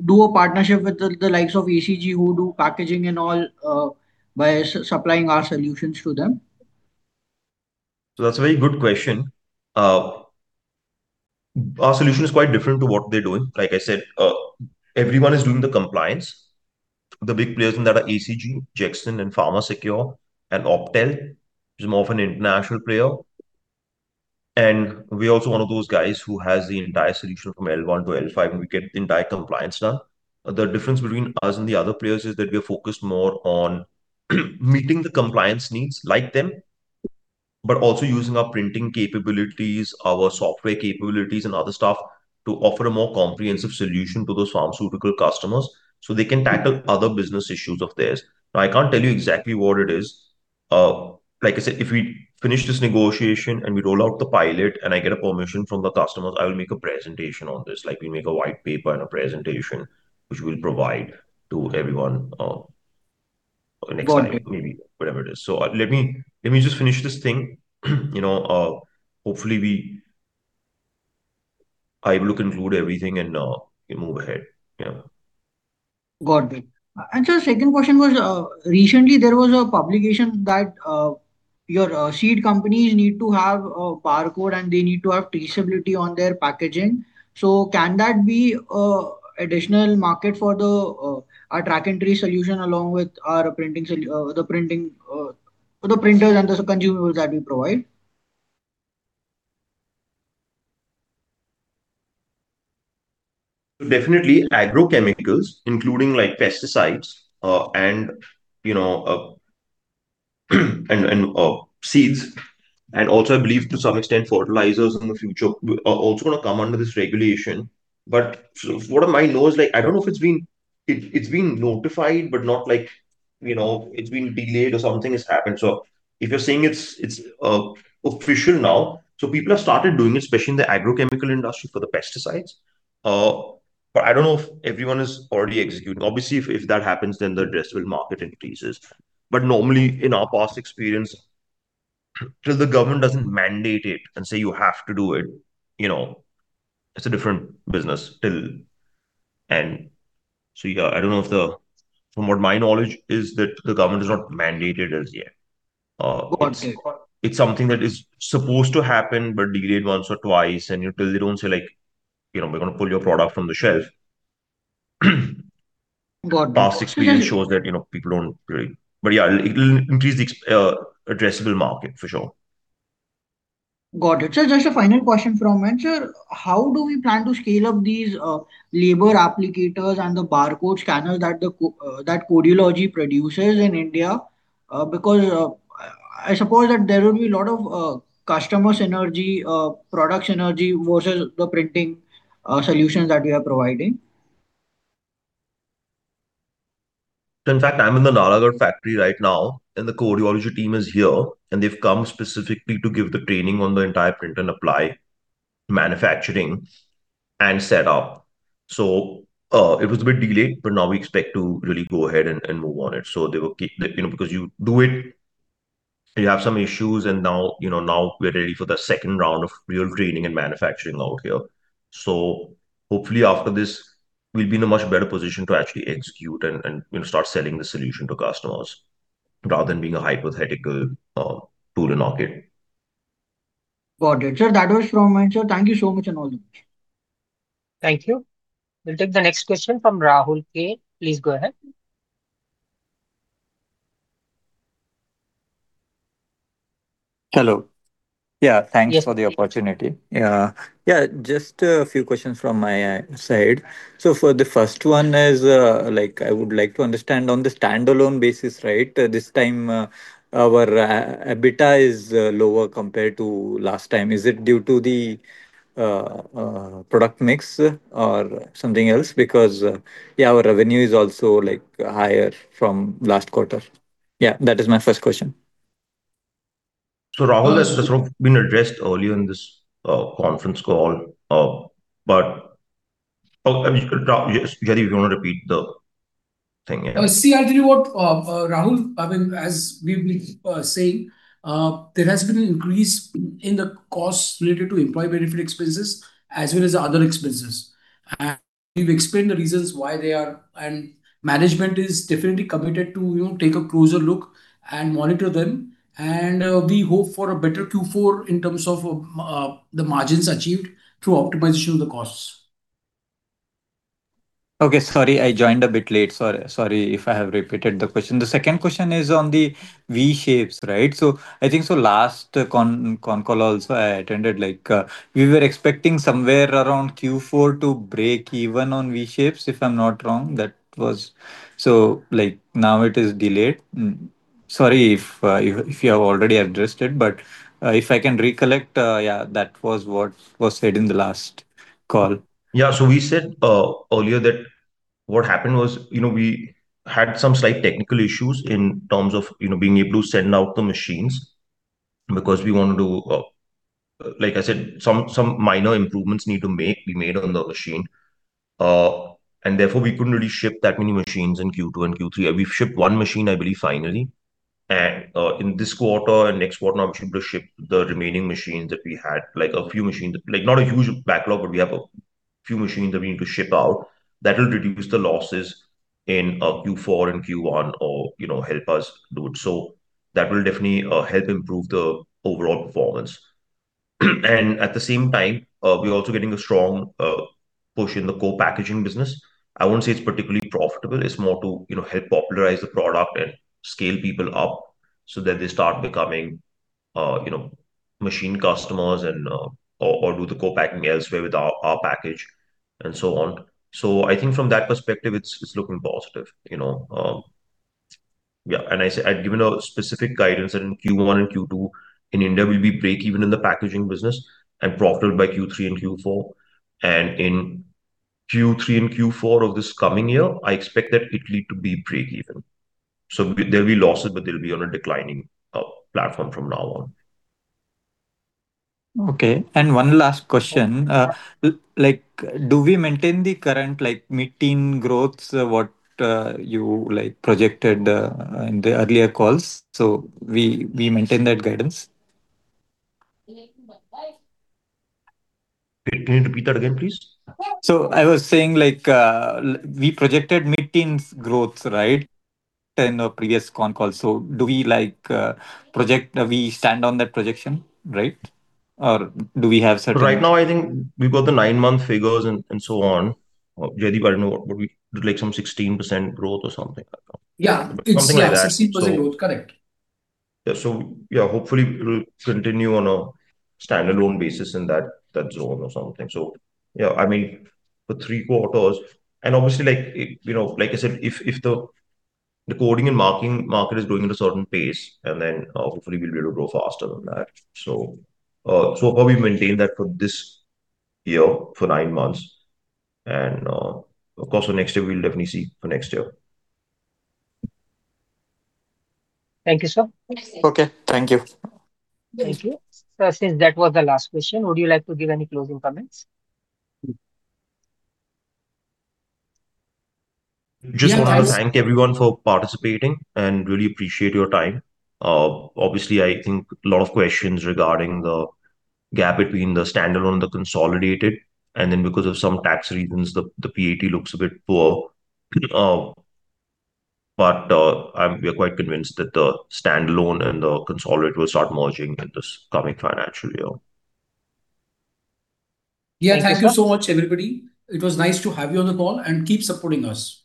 do a partnership with the likes of ACG, who do packaging and all, by supplying our solutions to them? That's a very good question. Our solution is quite different to what they're doing. Like I said, everyone is doing the compliance. The big players in that are ACG, Jekson, and PharmaSecure, and Optel, which is more of an international player. And we are also one of those guys who has the entire solution from L1 to L5, and we get the entire compliance done. The difference between us and the other players is that we are focused more on, meeting the compliance needs like them, but also using our printing capabilities, our software capabilities, and other stuff to offer a more comprehensive solution to those pharmaceutical customers, so they can tackle other business issues of theirs. Now, I can't tell you exactly what it is. Like I said, if we finish this negotiation, and we roll out the pilot, and I get a permission from the customers, I will make a presentation on this. Like, we make a white paper and a presentation, which we'll provide to everyone, next time, maybe, whatever it is. So let me, let me just finish this thing. You know, hopefully we... I will include everything and, we move ahead. Yeah. Got it. And sir, second question was, recently there was a publication that your seed companies need to have a barcode, and they need to have traceability on their packaging. So can that be an additional market for our track and trace solution, along with our printing solution, the printers and the consumables that we provide? Definitely agrochemicals, including, like, pesticides, and, you know, and, seeds, and also, I believe to some extent, fertilizers in the future are also gonna come under this regulation. But from what I might know, is like, I don't know if it's been. It, it's been notified, but not like, you know, it's been delayed or something has happened. So if you're saying it's, it's, official now, so people have started doing it, especially in the agrochemical industry for the pesticides. But I don't know if everyone is already executing. Obviously, if that happens, then the addressable market increases. But normally, in our past experience, till the government doesn't mandate it and say you have to do it, you know, it's a different business still. And so, yeah, I don't know, from what my knowledge is, that the government has not mandated as yet. Got it. It's something that is supposed to happen, but delayed once or twice, and until they don't say, like, "You know, we're gonna pull your product from the shelf. Got it. Past experience shows that, you know, people don't really... But yeah, it will increase the ex addressable market for sure. Got it. Sir, just a final question from me. Sir, how do we plan to scale up these label applicators and the barcode scanners that Codeology produces in India? Because I suppose that there will be a lot of customer synergy, product synergy versus the printing solutions that we are providing. In fact, I'm in the Nalagarh factory right now, and the Codeology team is here, and they've come specifically to give the training on the entire print and apply manufacturing and setup. So, it was a bit delayed, but now we expect to really go ahead and, and move on it. So they will keep... You know, because you do it, you have some issues, and now, you know, now we're ready for the second round of real training and manufacturing out here. So hopefully after this, we'll be in a much better position to actually execute and, and, you know, start selling the solution to customers, rather than being a hypothetical tool in the market. Got it. Sir, that was from my end, sir. Thank you so much, and all the best. Thank you. We'll take the next question from Rahul K. Please go ahead. Hello. Yeah, thanks for the opportunity. Yeah. Yeah, just a few questions from my side. So for the first one is, like, I would like to understand on the standalone basis, right? This time, our EBITDA is lower compared to last time. Is it due to the product mix or something else? Because, yeah, our revenue is also, like, higher from last quarter. Yeah, that is my first question. So, Rahul, that's been addressed earlier in this conference call, but... Oh, and you could talk. Yes, Jaideep, if you want to repeat the thing again. N See, actually, Rahul, I mean, as we've been saying, there has been an increase in the costs related to employee benefit expenses as well as other expenses. We've explained the reasons why they are, and management is definitely committed to, you know, take a closer look and monitor them, and we hope for a better Q4 in terms of the margins achieved through optimization of the costs. Okay, sorry, I joined a bit late. Sorry, sorry if I have repeated the question. The second question is on the V-Shapes, right? So I think last con call also I attended, like, we were expecting somewhere around Q4 to break even on V-Shapes, if I'm not wrong, that was... So like, now it is delayed. Sorry if you have already addressed it, but if I can recollect, yeah, that was what was said in the last call. Yeah. So we said earlier that what happened was, you know, we had some slight technical issues in terms of, you know, being able to send out the machines because we wanted to, like I said, some minor improvements we needed to make—we made on the machine. And therefore, we couldn't really ship that many machines in Q2 and Q3. We've shipped one machine, I believe, finally. And in this quarter and next quarter, we should be able to ship the remaining machines that we had, like a few machines, like, not a huge backlog, but we have a few machines that we need to ship out. That will reduce the losses in Q4 and Q1, or, you know, help us do it. So that will definitely help improve the overall performance. At the same time, we're also getting a strong push in the co-packing business. I wouldn't say it's particularly profitable. It's more to, you know, help popularize the product and scale people up so that they start becoming, you know, machine customers and, or, or do the co-packing elsewhere with our, our package and so on. So I think from that perspective, it's, it's looking positive, you know? Yeah, I've given a specific guidance that in Q1 and Q2 in India, we'll be breakeven in the packaging business and profitable by Q3 and Q4. In Q3 and Q4 of this coming year, I expect that Italy to be breakeven. So there'll be losses, but they'll be on a declining platform from now on. Okay. And one last question. Like, do we maintain the current, like, mid-teen growth, what, you, like, projected, in the earlier calls? So we, we maintain that guidance. Can you repeat that again, please? So I was saying, like, we projected mid-teens growth, right? In the previous con call. So do we like, project... Do we stand on that projection, right? Or do we have certain- Right now, I think we've got the nine-month figures and so on. Jaideep, I don't know, but we, like, some 16% growth or something like that. Yeah. Something like that. 16% growth. Correct. Yeah. So, yeah, hopefully we'll continue on a standalone basis in that zone or something. So, yeah, I mean, for three quarters... And obviously, like, you know, like I said, if the coding and marking market is growing at a certain pace, and then, hopefully we'll be able to grow faster than that. So, so probably maintain that for this year, for nine months. And, of course, for next year, we'll definitely see for next year. Thank you, sir. Okay. Thank you. Thank you. Sir, since that was the last question, would you like to give any closing comments? Just want to thank everyone for participating, and really appreciate your time. Obviously, I think a lot of questions regarding the gap between the standalone and the consolidated, and then because of some tax reasons, the PAT looks a bit poor. But, we're quite convinced that the standalone and the consolidated will start merging in this coming financial year. Yeah. Thank you so much, everybody. It was nice to have you on the call, and keep supporting us.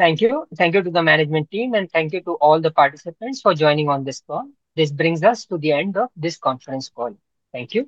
Thank you. Thank you to the management team, and thank you to all the participants for joining on this call. This brings us to the end of this conference call. Thank you.